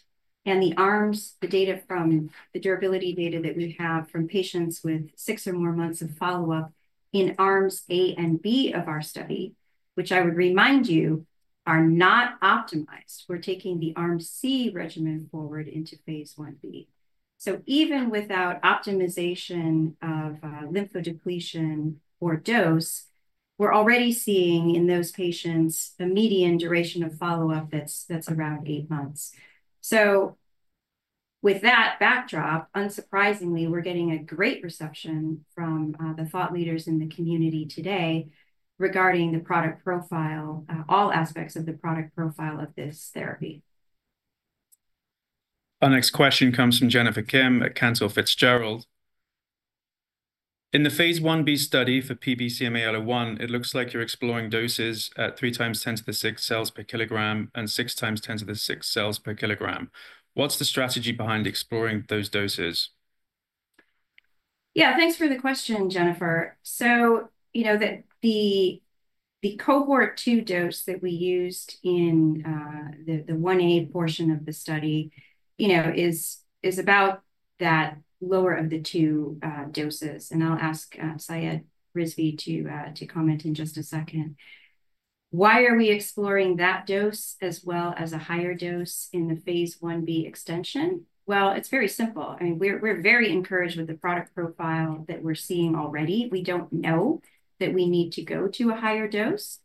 and the arms, the data from the durability data that we have from patients with six or more months of follow-up in arms A and B of our study, which I would remind you are not optimized. We're taking the arms C regimen forward into phase I B. So even without optimization of lymphodepletion or dose, we're already seeing in those patients a median duration of follow-up that's around eight months. With that backdrop, unsurprisingly, we're getting a great reception from the thought leaders in the community today regarding the product profile, all aspects of the product profile of this therapy. Our next question comes from Jennifer Kim at Cantor Fitzgerald. In the phase I B study for P-BCMA-ALLO1, it looks like you're exploring doses at three times 10 to the sixth cells per kilogram and six times 10 to the sixth cells per kilogram. What's the strategy behind exploring those doses? Yeah, thanks for the question, Jennifer. So, you know, the cohort two dose that we used in the 1a portion of the study, you know, is about that lower of the two doses. And I'll ask Syed Rizvi to comment in just a second. Why are we exploring that dose as well as a higher dose in the phase 1 B extension? Well, it's very simple. I mean, we're very encouraged with the product profile that we're seeing already. We don't know that we need to go to a higher dose.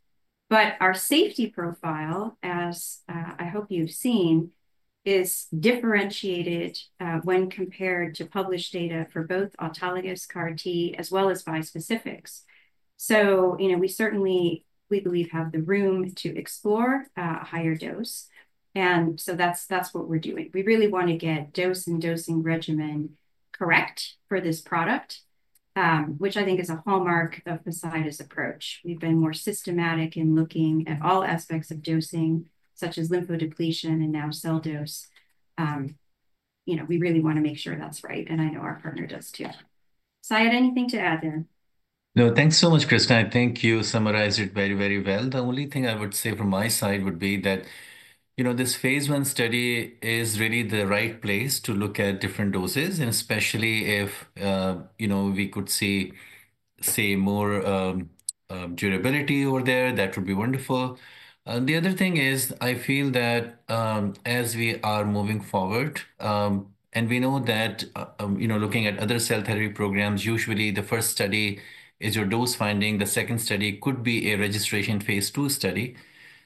But our safety profile, as I hope you've seen, is differentiated when compared to published data for both autologous CAR-T as well as bispecifics. So, you know, we certainly, we believe, have the room to explore a higher dose. And so that's what we're doing. We really want to get dose and dosing regimen correct for this product, which I think is a hallmark of Poseida's approach. We've been more systematic in looking at all aspects of dosing, such as lymphodepletion and now cell dose. You know, we really want to make sure that's right. And I know our partner does too. Syed, anything to add there? No, thanks so much, Kristin. I think you summarized it very, very well. The only thing I would say from my side would be that, you know, this phase one study is really the right place to look at different doses. And especially if, you know, we could see, say, more durability over there, that would be wonderful. And the other thing is, I feel that as we are moving forward, and we know that, you know, looking at other cell therapy programs, usually the first study is your dose finding. The second study could be a registration phase II study.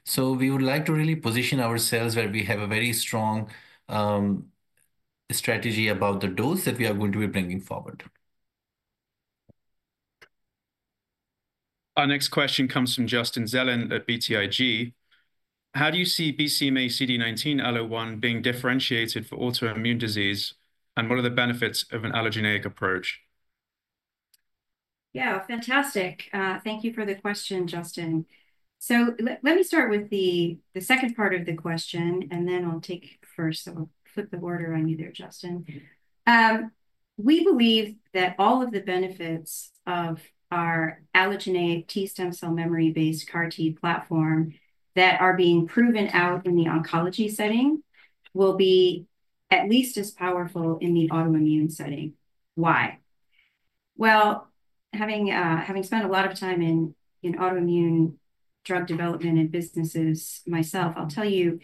So we would like to really position ourselves where we have a very strong strategy about the dose that we are going to be bringing forward. Our next question comes from Justin Zelin at BTIG. How do you see BCMA-CD19-ALLO1 being differentiated for autoimmune disease and what are the benefits of an allogeneic approach? Yeah, fantastic. Thank you for the question, Justin. So let me start with the second part of the question, and then I'll take first. So I'll flip the order on you there, Justin. We believe that all of the benefits of our allogeneic T stem cell memory-based CAR-T platform that are being proven out in the oncology setting will be at least as powerful in the autoimmune setting. Why? Well, having spent a lot of time in autoimmune drug development and businesses myself, I'll tell you,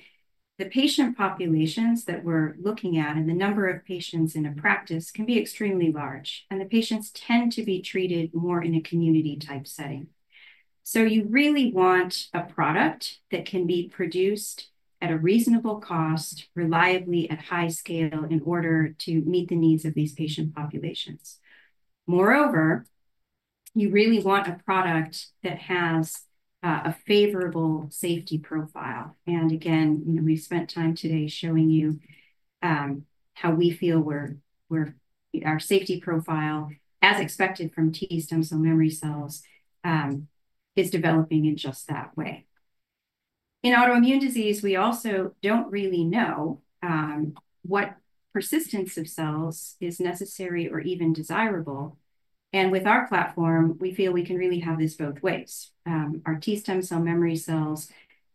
the patient populations that we're looking at and the number of patients in a practice can be extremely large. And the patients tend to be treated more in a community-type setting. So you really want a product that can be produced at a reasonable cost, reliably at high scale in order to meet the needs of these patient populations. Moreover, you really want a product that has a favorable safety profile. And again, you know, we've spent time today showing you how we feel our safety profile, as expected from T stem cell memory cells, is developing in just that way. In autoimmune disease, we also don't really know what persistence of cells is necessary or even desirable. And with our platform, we feel we can really have this both ways. Our T stem cell memory cells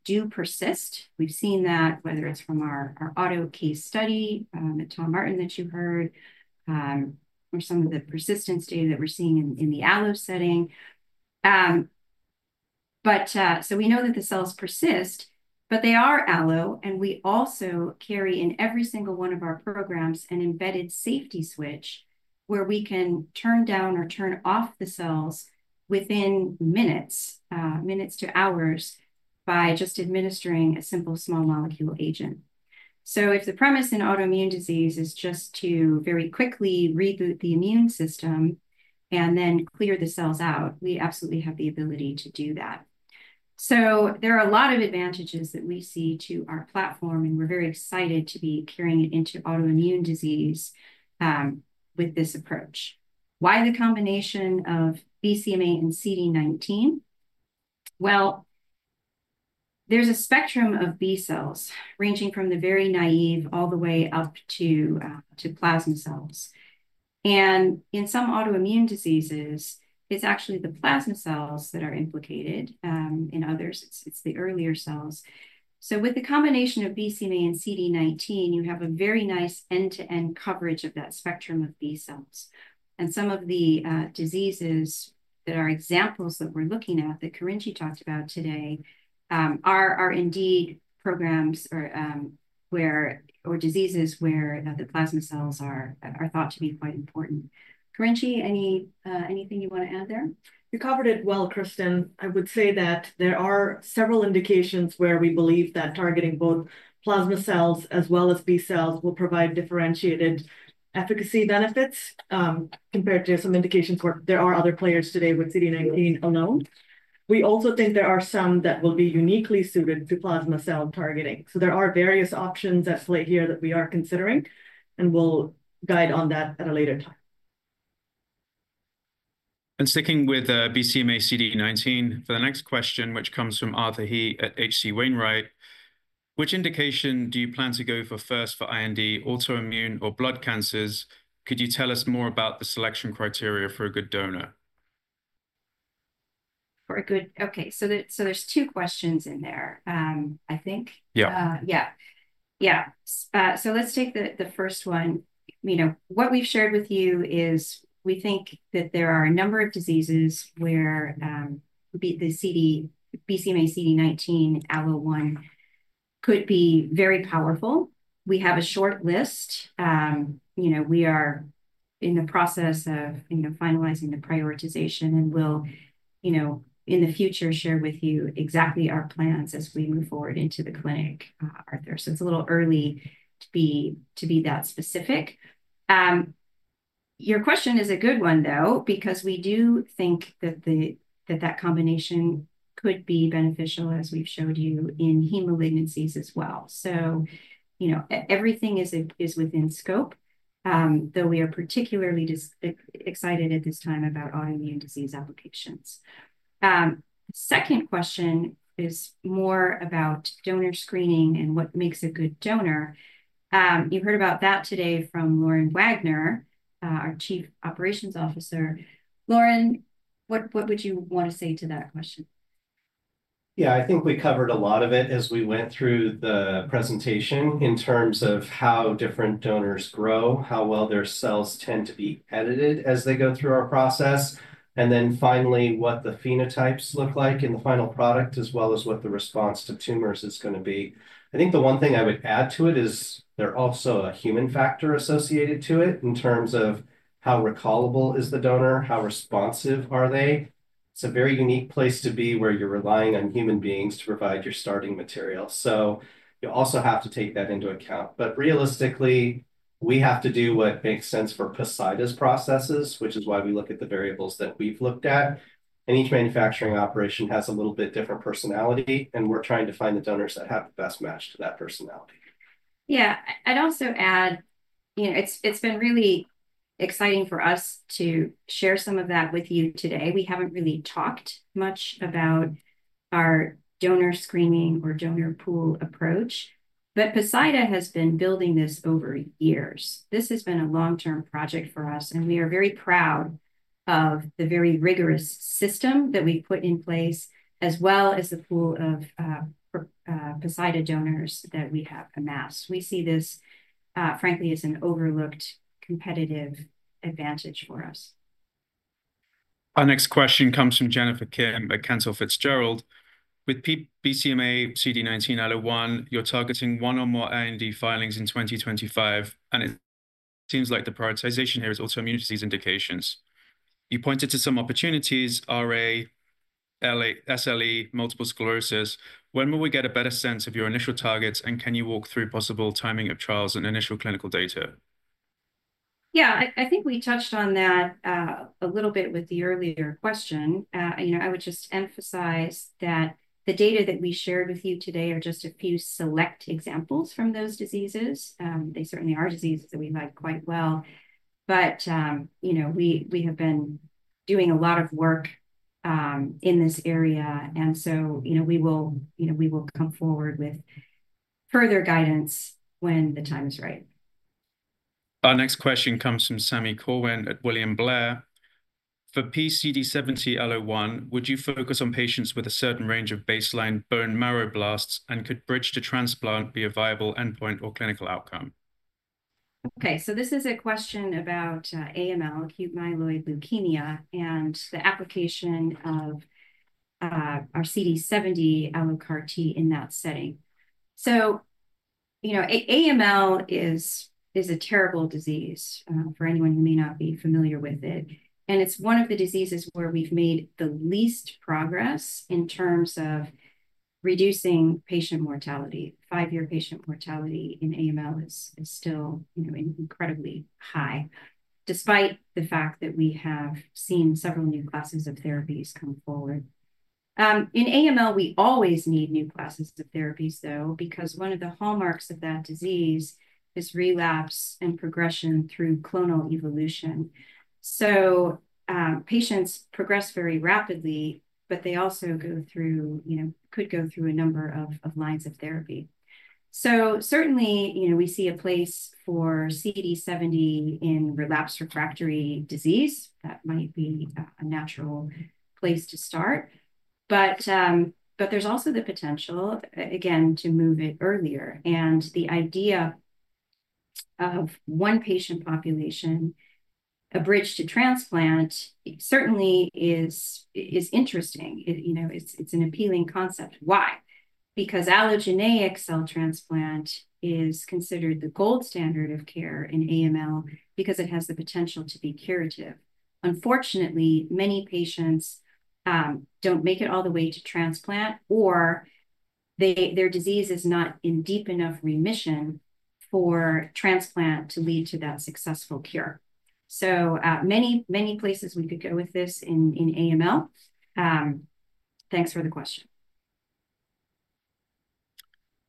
do persist. We've seen that, whether it's from our auto case study by Thomas Martin that you heard, or some of the persistence data that we're seeing in the allo setting. But so we know that the cells persist, but they are allo. We also carry in every single one of our programs an embedded safety switch where we can turn down or turn off the cells within minutes, minutes to hours, by just administering a simple small molecule agent. If the premise in autoimmune disease is just to very quickly reboot the immune system and then clear the cells out, we absolutely have the ability to do that. There are a lot of advantages that we see to our platform, and we're very excited to be carrying it into autoimmune disease with this approach. Why the combination of BCMA and CD19? There's a spectrum of B cells ranging from the very naive all the way up to plasma cells. In some autoimmune diseases, it's actually the plasma cells that are implicated. In others, it's the earlier cells. With the combination of BCMA and CD19, you have a very nice end-to-end coverage of that spectrum of B cells. Some of the diseases that are examples that we're looking at that Kurenji talked about today are indeed programs or diseases where the plasma cells are thought to be quite important. Kurenji, anything you want to add there? You covered it well, Kristin. I would say that there are several indications where we believe that targeting both plasma cells as well as B cells will provide differentiated efficacy benefits compared to some indications where there are other players today with CD19 alone. We also think there are some that will be uniquely suited to plasma cell targeting. There are various options at play here that we are considering, and we'll guide on that at a later time. Sticking with BCMA CD19, for the next question, which comes from Arthur He at H.C. Wainwright, which indication do you plan to go for first for IND, autoimmune or blood cancers? Could you tell us more about the selection criteria for a good donor? Okay. So there's two questions in there, I think. So let's take the first one. You know, what we've shared with you is we think that there are a number of diseases where the BCMA CD19 allo1 could be very powerful. We have a short list. You know, we are in the process of finalizing the prioritization, and we'll, you know, in the future share with you exactly our plans as we move forward into the clinic, Arthur. So it's a little early to be that specific. Your question is a good one, though, because we do think that that combination could be beneficial, as we've showed you, in hematologic malignancies as well, so you know, everything is within scope, though we are particularly excited at this time about autoimmune disease applications. Second question is more about donor screening and what makes a good donor. You heard about that today from Loren Wagner, our Chief Operations Officer. Loren, what would you want to say to that question? Yeah, I think we covered a lot of it as we went through the presentation in terms of how different donors grow, how well their cells tend to be edited as they go through our process, and then finally what the phenotypes look like in the final product as well as what the response to tumors is going to be. I think the one thing I would add to it is there's also a human factor associated to it in terms of how recallable is the donor, how responsive are they. It's a very unique place to be where you're relying on human beings to provide your starting material. So you also have to take that into account. But realistically, we have to do what makes sense for Poseida's processes, which is why we look at the variables that we've looked at. And each manufacturing operation has a little bit different personality. And we're trying to find the donors that have the best match to that personality. Yeah. I'd also add, you know, it's been really exciting for us to share some of that with you today. We haven't really talked much about our donor screening or donor pool approach. But Poseida has been building this over years. This has been a long-term project for us, and we are very proud of the very rigorous system that we've put in place as well as the pool of Poseida donors that we have amassed. We see this, frankly, as an overlooked competitive advantage for us. Our next question comes from Jennifer Kim at Cantor Fitzgerald. With BCMA CD19 allo1, you're targeting one or more IND filings in 2025, and it seems like the prioritization here is autoimmune disease indications. You pointed to some opportunities, RA, SLE, multiple sclerosis. When will we get a better sense of your initial targets, and can you walk through possible timing of trials and initial clinical data? Yeah, I think we touched on that a little bit with the earlier question. You know, I would just emphasize that the data that we shared with you today are just a few select examples from those diseases. They certainly are diseases that we like quite well. But, you know, we have been doing a lot of work in this area. And so, you know, we will come forward with further guidance when the time is right. Our next question comes from Sami Corwin at William Blair. For P-CD70-ALLO1, would you focus on patients with a certain range of baseline bone marrow blasts and could bridge to transplant be a viable endpoint or clinical outcome? Okay. So this is a question about AML, acute myeloid leukemia, and the application of our CD70 allogeneic CAR-T in that setting. So, you know, AML is a terrible disease for anyone who may not be familiar with it. And it's one of the diseases where we've made the least progress in terms of reducing patient mortality. Five-year patient mortality in AML is still, you know, incredibly high, despite the fact that we have seen several new classes of therapies come forward. In AML, we always need new classes of therapies, though, because one of the hallmarks of that disease is relapse and progression through clonal evolution. So patients progress very rapidly, but they also go through, you know, could go through a number of lines of therapy. So certainly, you know, we see a place for CD70 in relapsed refractory disease. That might be a natural place to start. But there's also the potential, again, to move it earlier. And the idea of one patient population bridged to transplant certainly is interesting. You know, it's an appealing concept. Why? Because allogeneic cell transplant is considered the gold standard of care in AML because it has the potential to be curative. Unfortunately, many patients don't make it all the way to transplant or their disease is not in deep enough remission for transplant to lead to that successful cure. So many, many places we could go with this in AML. Thanks for the question.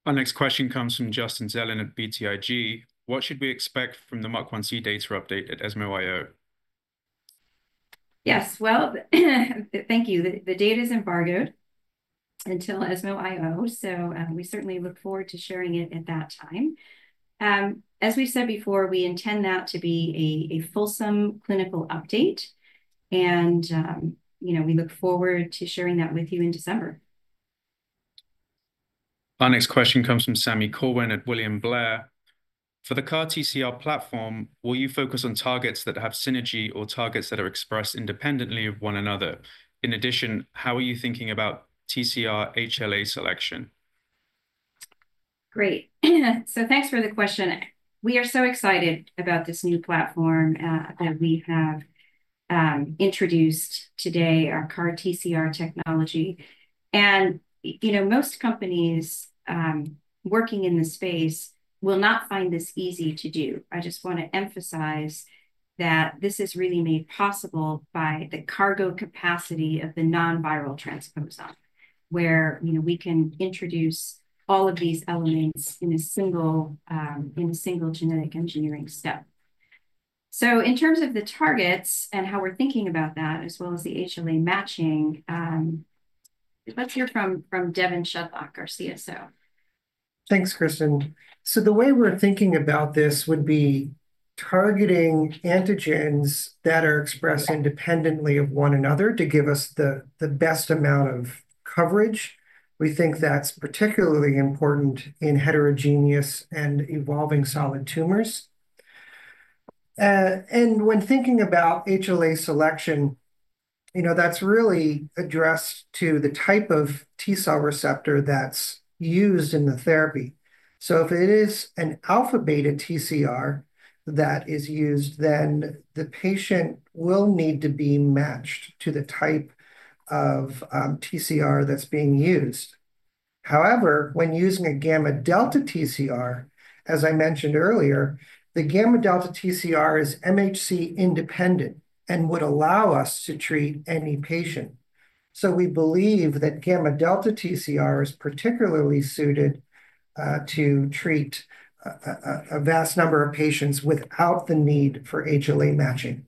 Our next question comes from Justin Zelin at BTIG. What should we expect from the P-MUC1C data update at ESMO.io? Yes. Well, thank you. The data is embargoed until ESMO.io. So we certainly look forward to sharing it at that time. As we've said before, we intend that to be a fulsome clinical update. And, you know, we look forward to sharing that with you in December. Our next question comes from Sami Corwin at William Blair. For the CAR-TCR platform, will you focus on targets that have synergy or targets that are expressed independently of one another? In addition, how are you thinking about TCR HLA selection? Great. So thanks for the question. We are so excited about this new platform that we have introduced today, our CAR-TCR technology. And, you know, most companies working in the space will not find this easy to do. I just want to emphasize that this is really made possible by the cargo capacity of the non-viral transposon, where, you know, we can introduce all of these elements in a single genetic engineering step. So in terms of the targets and how we're thinking about that, as well as the HLA matching, let's hear from Devon Shedlock, our CSO. Thanks, Kristin. So the way we're thinking about this would be targeting antigens that are expressed independently of one another to give us the best amount of coverage. We think that's particularly important in heterogeneous and evolving solid tumors. And when thinking about HLA selection, you know, that's really addressed to the type of T cell receptor that's used in the therapy. So if it is an alpha beta TCR that is used, then the patient will need to be matched to the type of TCR that's being used. However, when using a gamma delta TCR, as I mentioned earlier, the gamma delta TCR is MHC independent and would allow us to treat any patient. So we believe that gamma delta TCR is particularly suited to treat a vast number of patients without the need for HLA matching.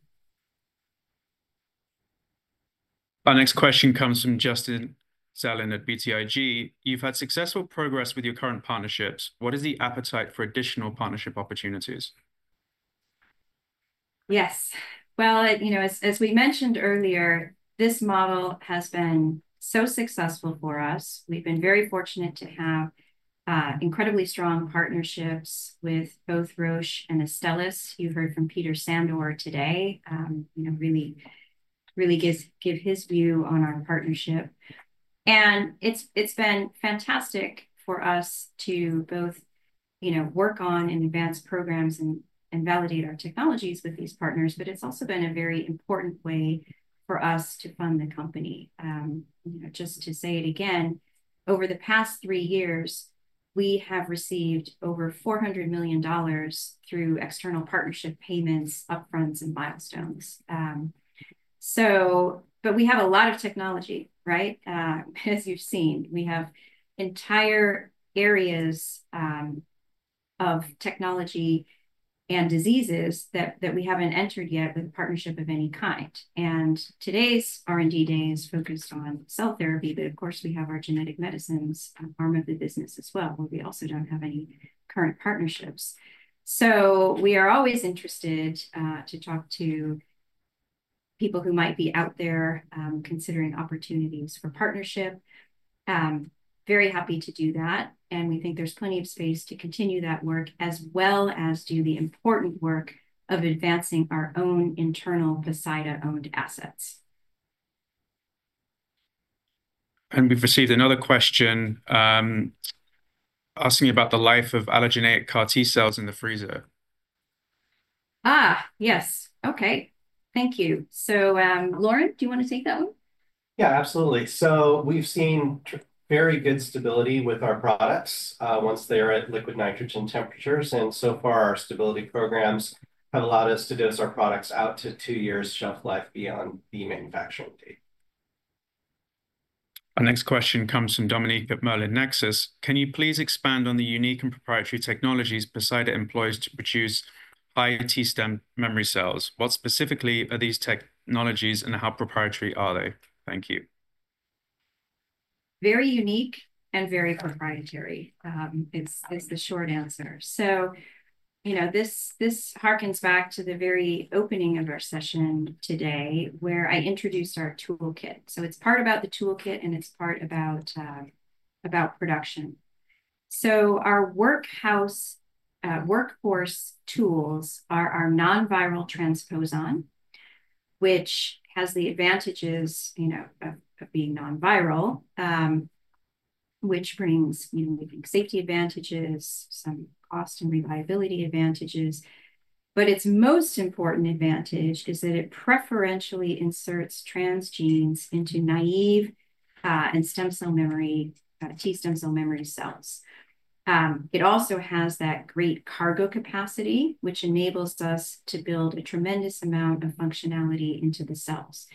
Our next question comes from Justin Zelin at BTIG. You've had successful progress with your current partnerships. What is the appetite for additional partnership opportunities? Yes. Well, you know, as we mentioned earlier, this model has been so successful for us. We've been very fortunate to have incredibly strong partnerships with both Roche and Astellas. You heard from Peter Sandor today, you know, really, really give his view on our partnership. And it's been fantastic for us to both, you know, work on and advance programs and validate our technologies with these partners, but it's also been a very important way for us to fund the company. You know, just to say it again, over the past three years, we have received over $400 million through external partnership payments, upfronts, and milestones. So, but we have a lot of technology, right? As you've seen, we have entire areas of technology and diseases that we haven't entered yet with a partnership of any kind. And today's R&D day is focused on cell therapy. But of course, we have our genetic medicines arm of the business as well, where we also don't have any current partnerships. So we are always interested to talk to people who might be out there considering opportunities for partnership. Very happy to do that. And we think there's plenty of space to continue that work as well as do the important work of advancing our own internal Poseida-owned assets. And we've received another question asking about the life of allogeneic CAR-T cells in the freezer. Yes. Okay. Thank you. So, Lauren, do you want to take that one? Yeah, absolutely. So we've seen very good stability with our products once they are at liquid nitrogen temperatures. And so far, our stability programs have allowed us to dose our products out to two years shelf life beyond the manufacturing date. Our next question comes from Dominique at Merlin Nexus. Can you please expand on the unique and proprietary technologies Poseida employs to produce high TSCM memory cells? What specifically are these technologies and how proprietary are they? Thank you. Very unique and very proprietary. It's the short answer. So, you know, this harkens back to the very opening of our session today, where I introduced our toolkit. So it's part about the toolkit and it's part about production. So our core tools are our non-viral transposon, which has the advantages, you know, of being non-viral, which brings, you know, safety advantages, some cost and reliability advantages. But its most important advantage is that it preferentially inserts transgenes into naive and stem cell memory, T stem cell memory cells. It also has that great cargo capacity, which enables us to build a tremendous amount of functionality into the cells.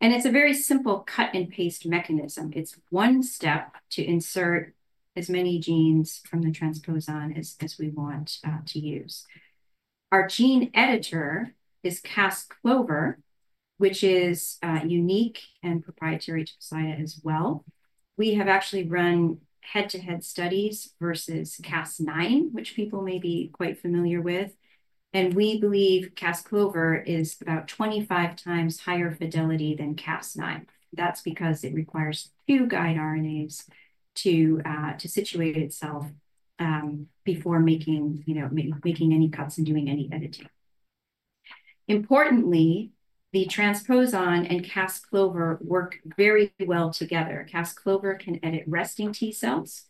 And it's a very simple cut-and-paste mechanism. It's one step to insert as many genes from the transposon as we want to use. Our gene editor is Cas-CLOVER, which is unique and proprietary to Poseida as well. We have actually run head-to-head studies versus Cas9, which people may be quite familiar with. And we believe Cas-CLOVER is about 25 times higher fidelity than Cas9. That's because it requires few guide RNAs to situate itself before making, you know, making any cuts and doing any editing. Importantly, the transposon and Cas-CLOVER work very well together. Cas-CLOVER can edit resting T cells.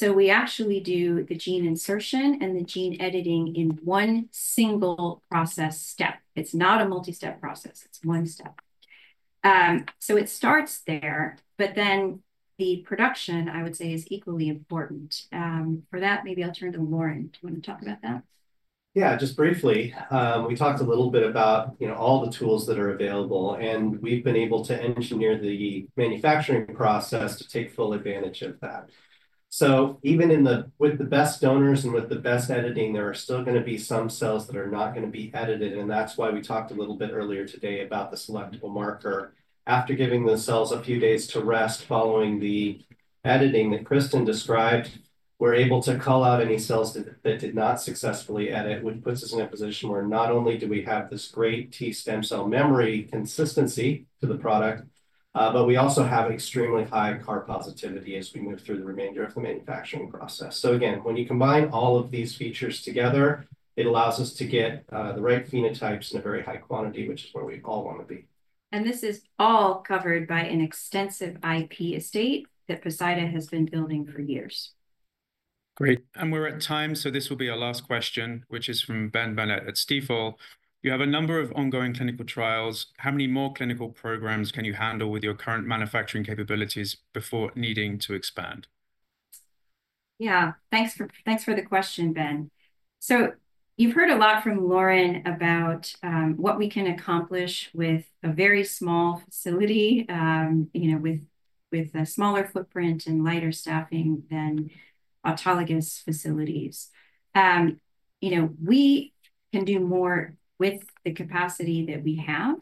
We actually do the gene insertion and the gene editing in one single process step. It's not a multi-step process. It's one step. So it starts there. But then the production, I would say, is equally important. For that, maybe I'll turn to Lauren to want to talk about that. Yeah, just briefly. We talked a little bit about, you know, all the tools that are available. And we've been able to engineer the manufacturing process to take full advantage of that. So even with the best donors and with the best editing, there are still going to be some cells that are not going to be edited. And that's why we talked a little bit earlier today about the selectable marker. After giving the cells a few days to rest following the editing that Kristin described, we're able to call out any cells that did not successfully edit, which puts us in a position where not only do we have this great T stem cell memory consistency to the product, but we also have extremely high CAR positivity as we move through the remainder of the manufacturing process. So again, when you combine all of these features together, it allows us to get the right phenotypes in a very high quantity, which is where we all want to be. And this is all covered by an extensive IP estate that Poseida has been building for years. Great. And we're at time. So this will be our last question, which is from Ben Mallett at Stifel. You have a number of ongoing clinical trials. How many more clinical programs can you handle with your current manufacturing capabilities before needing to expand? Yeah. Thanks for the question, Ben. So you've heard a lot from Lauren about what we can accomplish with a very small facility, you know, with a smaller footprint and lighter staffing than autologous facilities. You know, we can do more with the capacity that we have.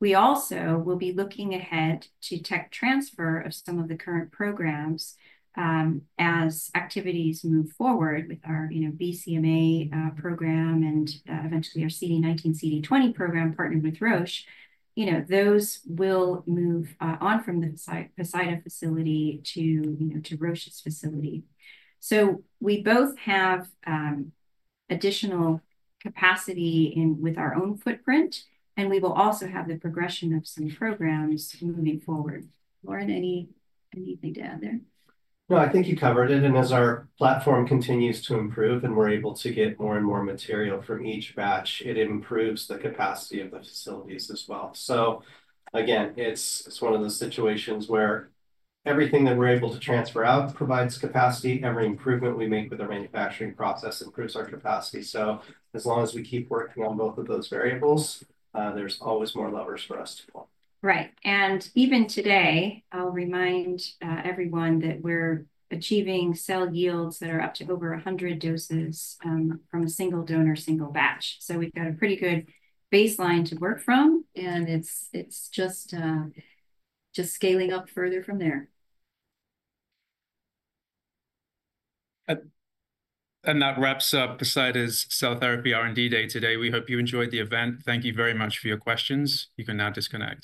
We also will be looking ahead to tech transfer of some of the current programs as activities move forward with our, you know, BCMA program and eventually our CD19, CD20 program partnered with Roche. You know, those will move on from the Poseida facility to, you know, to Roche's facility. So we both have additional capacity with our own footprint. And we will also have the progression of some programs moving forward. Lauren, anything to add there? No, I think you covered it. And as our platform continues to improve and we're able to get more and more material from each batch, it improves the capacity of the facilities as well. So again, it's one of those situations where everything that we're able to transfer out provides capacity. Every improvement we make with our manufacturing process improves our capacity. So as long as we keep working on both of those variables, there's always more levers for us to pull. Right. And even today, I'll remind everyone that we're achieving cell yields that are up to over 100 doses from a single donor, single batch. So we've got a pretty good baseline to work from. And it's just scaling up further from there. And that wraps up Poseida's cell therapy R&D day today. We hope you enjoyed the event. Thank you very much for your questions. You can now disconnect.